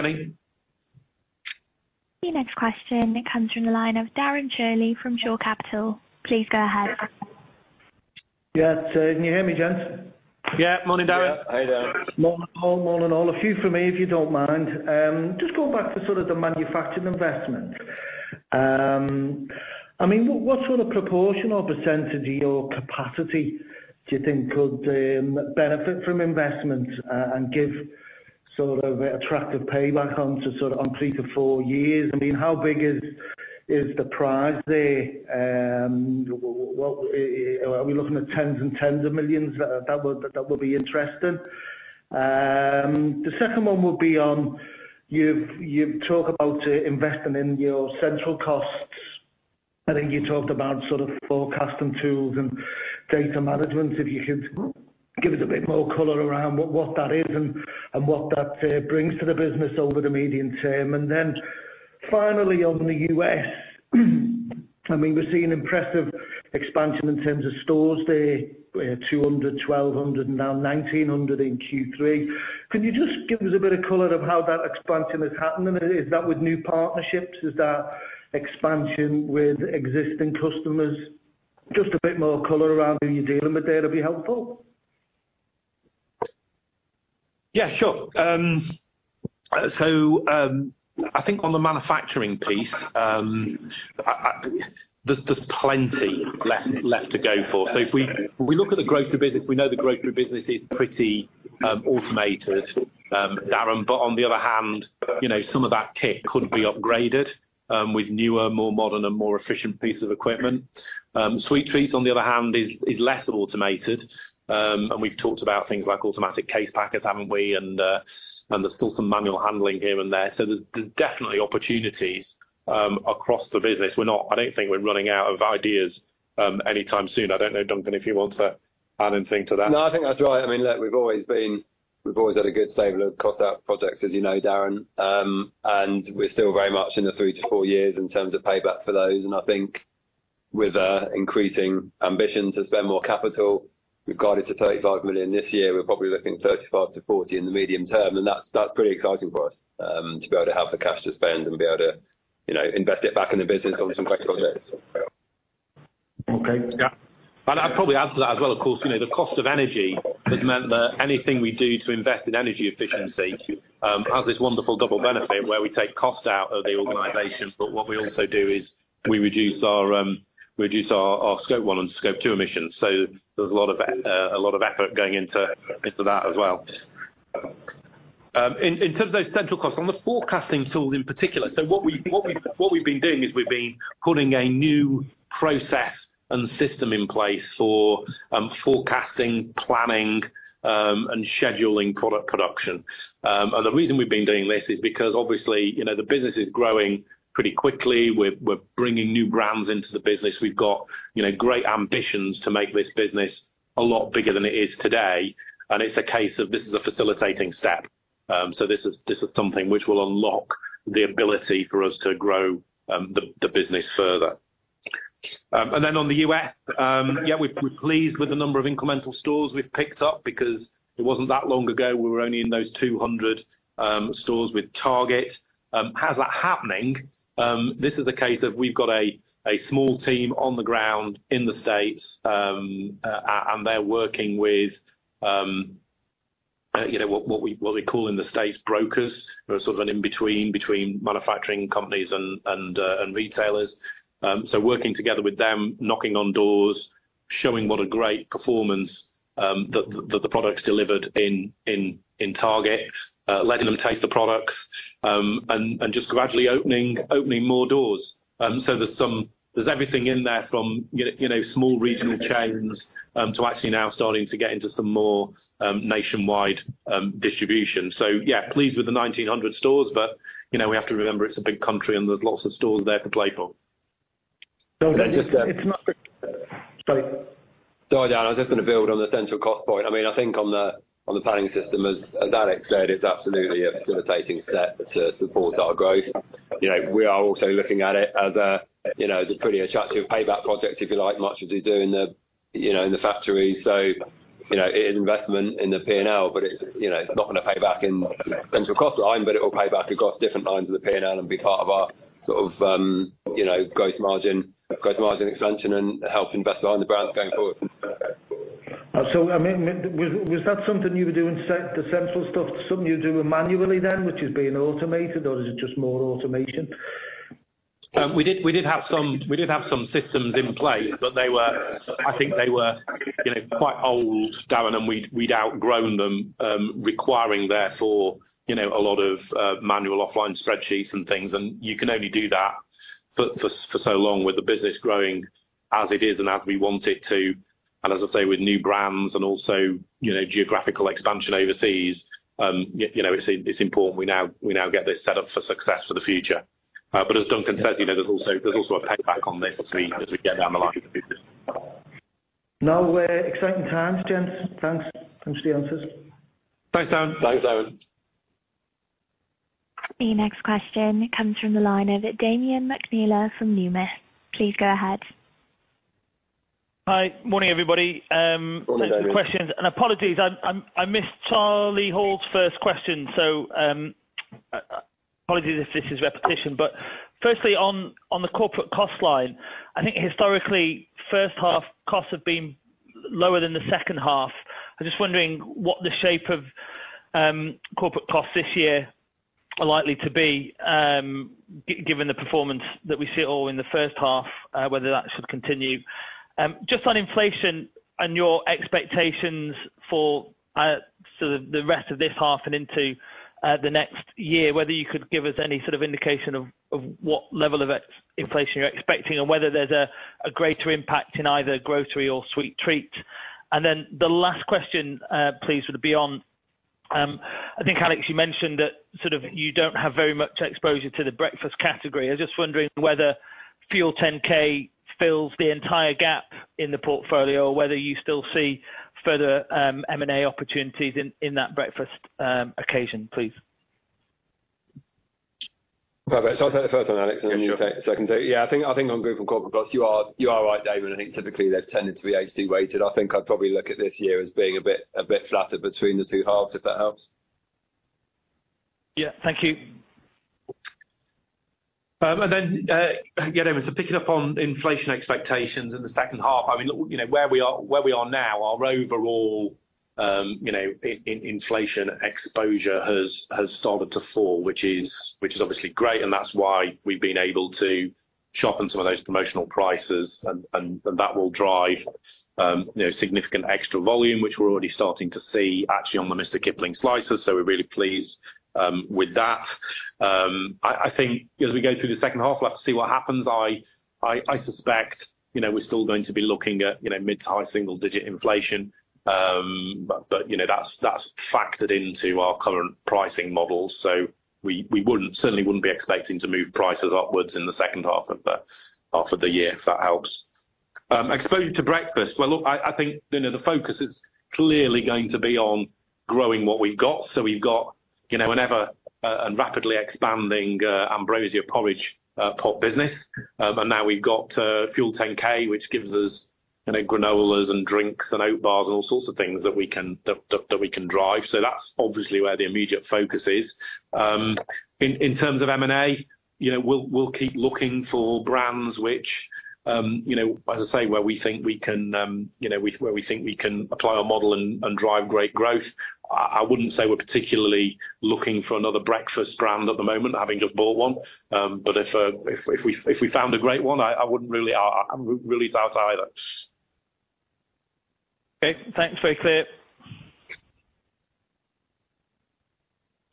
Andy. The next question comes from the line of Darren Shirley from Shore Capital. Please go ahead. Yes, can you hear me, gents? Yeah, morning, Darren. Yeah. Hi, Darren. Morning, all. Morning, all. A few from me, if you don't mind. Just going back to sort of the manufacturing investment, I mean, what, what sort of proportion or percentage of your capacity do you think could, benefit from investment, and give sort of attractive payback on to sort of on 3-4 years? I mean, how big is, is the prize there? Well, are we looking at tens and tens of millions GBP? That would, that would be interesting.... The second one will be on, you've, you've talked about, investing in your central costs. I think you talked about sort of forecasting tools and data management. If you could give us a bit more color around what, what that is and, and what that, brings to the business over the medium term. Then finally, on the U.S., I mean, we're seeing impressive expansion in terms of stores there, 200, 1,200, and now 1,900 in Q3. Can you just give us a bit of color of how that expansion has happened? Is that with new partnerships? Is that expansion with existing customers? Just a bit more color around who you're dealing with there would be helpful. Yeah, sure. So, I think on the manufacturing piece, I-- there's plenty left to go for. So if we look at the grocery business, we know the grocery business is pretty automated, Darren, but on the other hand, you know, some of that kit could be upgraded with newer, more modern and more efficient pieces of equipment. Sweet treats, on the other hand, is less automated, and we've talked about things like automatic case packers, haven't we? And, and there's still some manual handling here and there. So there's definitely opportunities across the business. We're not-- I don't think we're running out of ideas anytime soon. I don't know, Duncan, if you want to add anything to that. No, I think that's right. I mean, look, we've always had a good stable of cost out projects, as you know, Darren. And we're still very much in the 3-4 years in terms of payback for those. And I think with our increasing ambition to spend more capital, we've got it to 35 million this year. We're probably looking 35-40 million in the medium term, and that's, that's pretty exciting for us, to be able to have the cash to spend and be able to, you know, invest it back in the business on some great projects. Okay. Yeah. And I'd probably add to that as well, of course, you know, the cost of energy has meant that anything we do to invest in energy efficiency has this wonderful double benefit where we take cost out of the organization. But what we also do is we reduce our Scope 1 and Scope 2 emissions. So there's a lot of effort going into that as well. In terms of those central costs, on the forecasting tools in particular, what we've been doing is we've been putting a new process and system in place for forecasting, planning, and scheduling product production. And the reason we've been doing this is because, obviously, you know, the business is growing pretty quickly. We're bringing new brands into the business. We've got, you know, great ambitions to make this business a lot bigger than it is today, and it's a case of this is a facilitating step. So this is something which will unlock the ability for us to grow the business further. And then on the U.S., yeah, we're pleased with the number of incremental stores we've picked up because it wasn't that long ago, we were only in those 200 stores with Target. How's that happening? This is the case that we've got a small team on the ground in the States, and they're working with, you know, what we call in the States, brokers. They're sort of an in-between between manufacturing companies and retailers. So working together with them, knocking on doors, showing what a great performance that the products delivered in Target, letting them taste the products, and just gradually opening more doors. So there's everything in there from, you know, small regional chains to actually now starting to get into some more nationwide distribution. So yeah, pleased with the 1,900 stores, but you know, we have to remember it's a big country, and there's lots of stores there to play for. It's not... Sorry. Sorry, Darren, I was just going to build on the central cost point. I mean, I think on the planning system, as Alex said, it's absolutely a facilitating step to support our growth. You know, we are also looking at it as a pretty attractive payback project, if you like, much as we do in the factories. So, you know, it is investment in the PNL, but it's not going to pay back in central cost line, but it will pay back across different lines of the PNL and be part of our sort of, you know, gross margin, gross margin expansion and help invest behind the brands going forward. So, I mean, was that something you were doing, the central stuff, something you were doing manually then, which is being automated, or is it just more automation? We did have some systems in place, but they were, I think they were, you know, quite old, Darren, and we'd outgrown them, requiring therefore, you know, a lot of manual offline spreadsheets and things, and you can only do that for so long with the business growing as it is and as we want it to. And as I say, with new brands and also, you know, geographical expansion overseas, you know, it's important we now get this set up for success for the future. But as Duncan says, you know, there's also a payback on this as we get down the line. No, exciting times, gents. Thanks. Thanks for the answers. Thanks, Darren. Thanks, Darren. The next question comes from the line of Damian McNeela from Numis. Please go ahead. Hi. Morning, everybody. Morning, Damian. Thanks for the questions, and apologies, I missed Charlie Hall's first question, so, apologies if this is repetition. But firstly, on the corporate cost line, I think historically, first half costs have been lower than the second half. I'm just wondering what the shape of corporate costs this year are likely to be, given the performance that we see all in the first half, whether that should continue? Just on inflation and your expectations for sort of the rest of this half and into the next year, whether you could give us any sort of indication of what level of inflation you're expecting and whether there's a greater impact in either grocery or sweet treats. And then the last question, please, would be on-... I think, Alex, you mentioned that sort of you don't have very much exposure to the breakfast category. I was just wondering whether Fuel 10K fills the entire gap in the portfolio, or whether you still see further, M&A opportunities in, in that breakfast, occasion, please? Perfect. So I'll take the first one, Alex, and you can take the second one. Yeah, I think, I think on group and corporate plus, you are, you are right, David. I think typically they've tended to be H1 weighted. I think I'd probably look at this year as being a bit, a bit flatter between the two halves, if that helps. Yeah. Thank you. And then, yeah, David, so picking up on inflation expectations in the second half, I mean, look, you know, where we are now, our overall, you know, in inflation exposure has started to fall, which is obviously great, and that's why we've been able to sharpen some of those promotional prices, and that will drive, you know, significant extra volume, which we're already starting to see actually on the Mr Kipling slices. So we're really pleased with that. I think as we go through the second half, we'll have to see what happens. I suspect, you know, we're still going to be looking at, you know, mid-to-high single digit inflation. But you know, that's factored into our current pricing models, so we wouldn't certainly be expecting to move prices upwards in the second half of the year, if that helps. Exposure to breakfast. Well, look, I think, you know, the focus is clearly going to be on growing what we've got. So we've got, you know, an ever and rapidly expanding Ambrosia porridge pot business. And now we've got Fuel 10K, which gives us, you know, granolas and drinks and oat bars and all sorts of things that we can drive. So that's obviously where the immediate focus is. In terms of M&A, you know, we'll keep looking for brands which, you know, as I say, where we think we can apply our model and drive great growth. I wouldn't say we're particularly looking for another breakfast brand at the moment, having just bought one. But if we found a great one, I wouldn't really... I'm really out either. Okay, thanks. Very clear.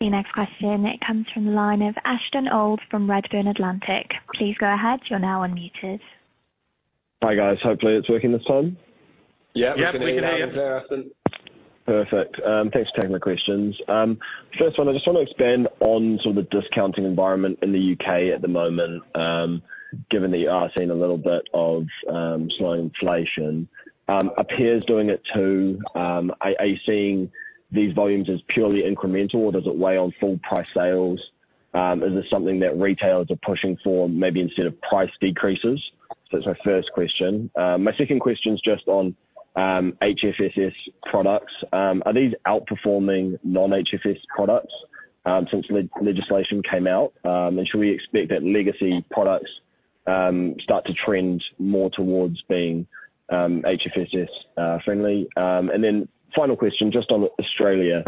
The next question, it comes from the line of Ashton Mayfield from Redburn Atlantic. Please go ahead. You're now unmuted. Hi, guys. Hopefully, it's working this time. Yeah. Yep, we can hear you. We can hear you, Ashton. Perfect. Thanks for taking my questions. First one, I just want to expand on sort of the discounting environment in the UK at the moment, given that you are seeing a little bit of slow inflation. Asda's doing it too, are you seeing these volumes as purely incremental, or does it weigh on full price sales? Is this something that retailers are pushing for, maybe instead of price decreases? So that's my first question. My second question is just on HFSS products. Are these outperforming non-HFSS products, since legislation came out? And should we expect that legacy products start to trend more towards being HFSS friendly? And then final question, just on Australia.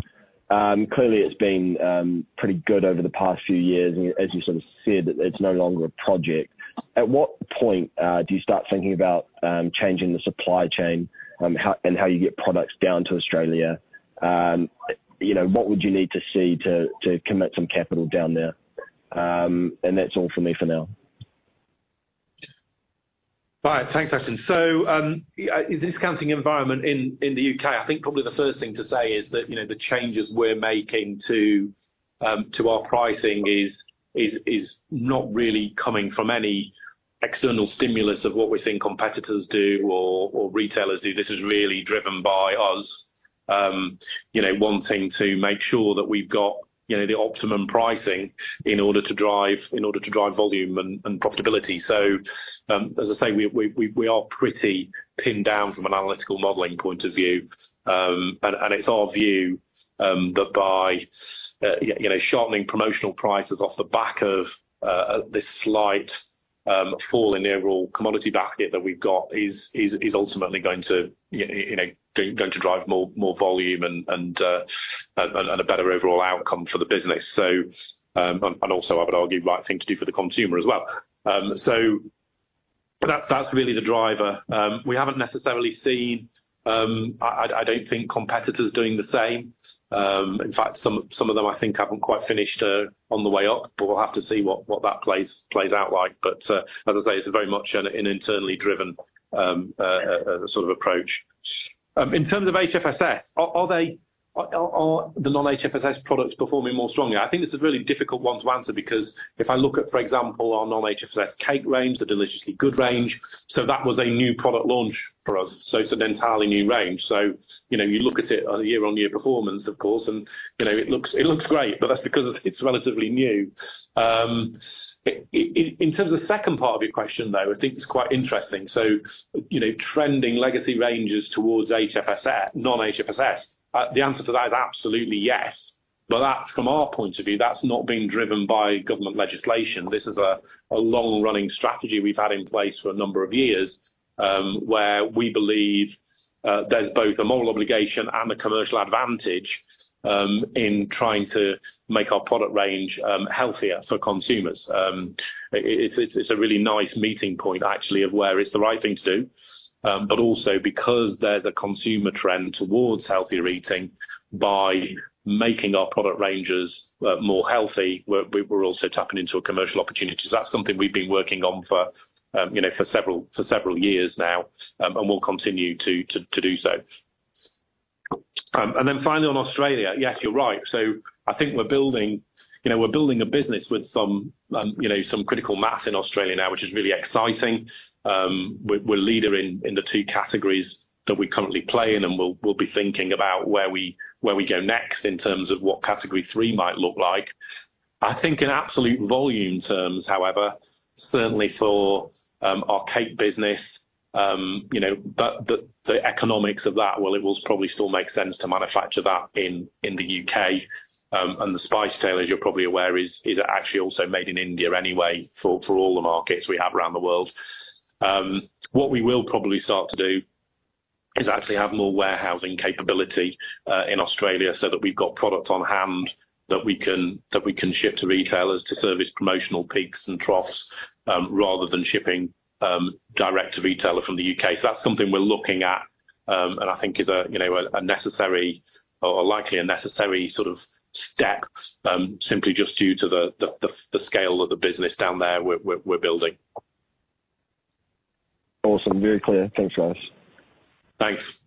Clearly it's been pretty good over the past few years, and as you sort of said, it's no longer a project. At what point do you start thinking about changing the supply chain, how, and how you get products down to Australia? You know, what would you need to see to commit some capital down there? And that's all for me for now. Right. Thanks, Ashton. So, yeah, discounting environment in the UK, I think probably the first thing to say is that, you know, the changes we're making to our pricing is not really coming from any external stimulus of what we're seeing competitors do or retailers do. This is really driven by us, you know, wanting to make sure that we've got, you know, the optimum pricing in order to drive volume and profitability. So, as I say, we are pretty pinned down from an analytical modeling point of view. And it's our view that by, you know, sharpening promotional prices off the back of this slight fall in the overall commodity basket that we've got is ultimately going to, you know, going to drive more volume and a better overall outcome for the business. So, also, I would argue, right thing to do for the consumer as well. So but that's really the driver. We haven't necessarily seen, I don't think competitors doing the same. In fact, some of them I think, haven't quite finished on the way up, but we'll have to see what that plays out like. But, as I say, it's very much an internally driven a sort of approach. In terms of HFSS, are the non-HFSS products performing more strongly? I think this is a really difficult one to answer, because if I look at, for example, our non-HFSS cake range, the Deliciously Good range, so that was a new product launch for us. So it's an entirely new range. So, you know, you look at it on a year-on-year performance, of course, and, you know, it looks, it looks great, but that's because it's relatively new. In terms of the second part of your question, though, I think it's quite interesting. So, you know, trending legacy ranges towards HFSS, non-HFSS, the answer to that is absolutely yes. But that, from our point of view, that's not being driven by government legislation. This is a long-running strategy we've had in place for a number of years, where we believe there's both a moral obligation and a commercial advantage in trying to make our product range healthier for consumers. It's a really nice meeting point, actually, of where it's the right thing to do, but also because there's a consumer trend towards healthier eating by making our product ranges more healthy, we're also tapping into a commercial opportunity. So that's something we've been working on for, you know, for several years now, and we'll continue to do so. And then finally on Australia, yes, you're right. So I think we're building, you know, we're building a business with some, you know, some critical mass in Australia now, which is really exciting. We're leaders in the two categories that we currently play in, and we'll be thinking about where we go next in terms of what category three might look like. I think in absolute volume terms, however, certainly for our cake business, you know, but the economics of that, well, it will probably still make sense to manufacture that in the UK. And The Spice Tailor, as you're probably aware, is actually also made in India anyway, for all the markets we have around the world. What we will probably start to do is actually have more warehousing capability in Australia so that we've got product on hand that we can ship to retailers to service promotional peaks and troughs, rather than shipping direct to retailer from the UK. So that's something we're looking at, and I think is a, you know, a necessary or likely necessary sort of step, simply just due to the scale of the business down there, we're building. Awesome. Very clear. Thanks, guys. Thanks.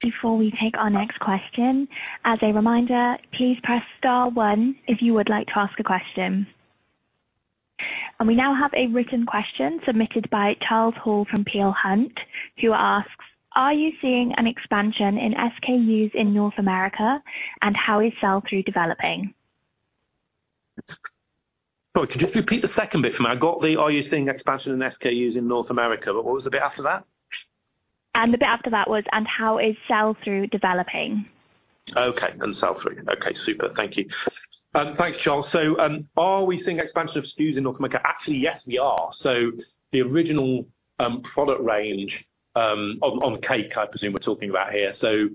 Before we take our next question, as a reminder, please press star one if you would like to ask a question. We now have a written question submitted by Charles Hall from Peel Hunt, who asks: Are you seeing an expansion in SKUs in North America, and how is sell-through developing? Oh, could you just repeat the second bit for me? I got the, are you seeing expansion in SKUs in North America, but what was the bit after that? The bit after that was, and how is sell-through developing? Okay, and sell through. Okay, super. Thank you. Thanks, Charles. So, are we seeing expansion of SKUs in North America? Actually, yes, we are. So the original product range on cake, I presume we're talking about here. So,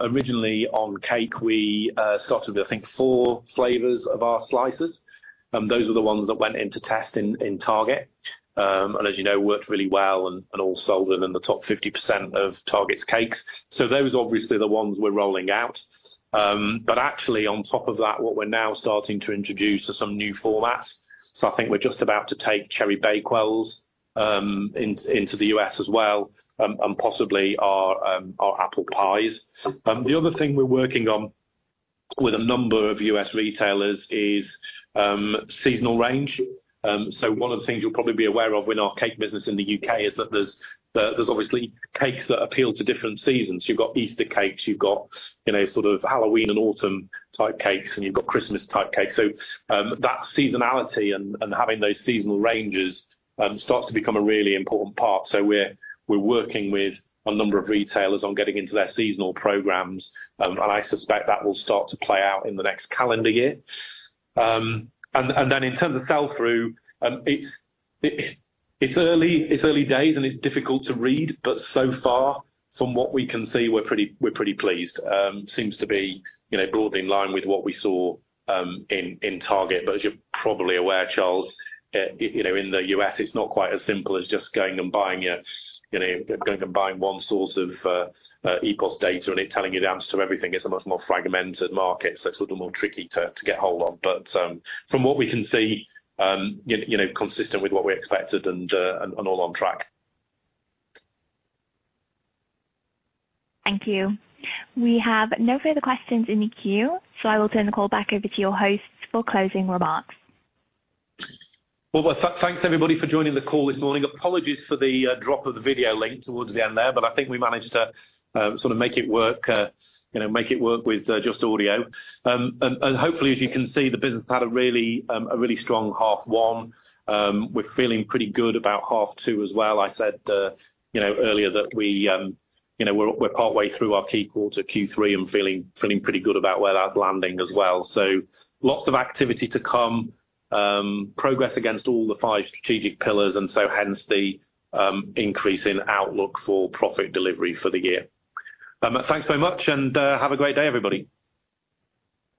originally on cake, we started with, I think, 4 flavors of our slices, and those are the ones that went into test in Target. And as you know, worked really well and all sold within the top 50% of Target's cakes. So those are obviously the ones we're rolling out. But actually on top of that, what we're now starting to introduce are some new formats. So I think we're just about to take Cherry Bakewells into the US as well, and possibly our apple pies. The other thing we're working on with a number of U.S. retailers is seasonal range. So one of the things you'll probably be aware of with our cake business in the U.K. is that there's obviously cakes that appeal to different seasons. You've got Easter cakes, you've got, you know, sort of Halloween and autumn type cakes, and you've got Christmas type cakes. So that seasonality and having those seasonal ranges starts to become a really important part. So we're working with a number of retailers on getting into their seasonal programs. And I suspect that will start to play out in the next calendar year. And then in terms of sell-through, it's early days, and it's difficult to read, but so far from what we can see, we're pretty pleased. Seems to be, you know, broadly in line with what we saw in Target. But as you're probably aware, Charles, you know, in the U.S., it's not quite as simple as just going and buying a, you know, going and buying one source of EPOS data and it telling you down to everything. It's a much more fragmented market, so it's a little more tricky to get a hold of. But from what we can see, you know, consistent with what we expected and all on track. Thank you. We have no further questions in the queue, so I will turn the call back over to your host for closing remarks. Well, thanks everybody for joining the call this morning. Apologies for the drop of the video link towards the end there, but I think we managed to sort of make it work, you know, make it work with just audio. And hopefully, as you can see, the business had a really a really strong half 1. We're feeling pretty good about half 2 as well. I said you know earlier that we you know we're partway through our key quarter, Q3, and feeling pretty good about where that's landing as well. So lots of activity to come, progress against all the 5 strategic pillars, and so hence the increase in outlook for profit delivery for the year. Thanks so much, and have a great day, everybody!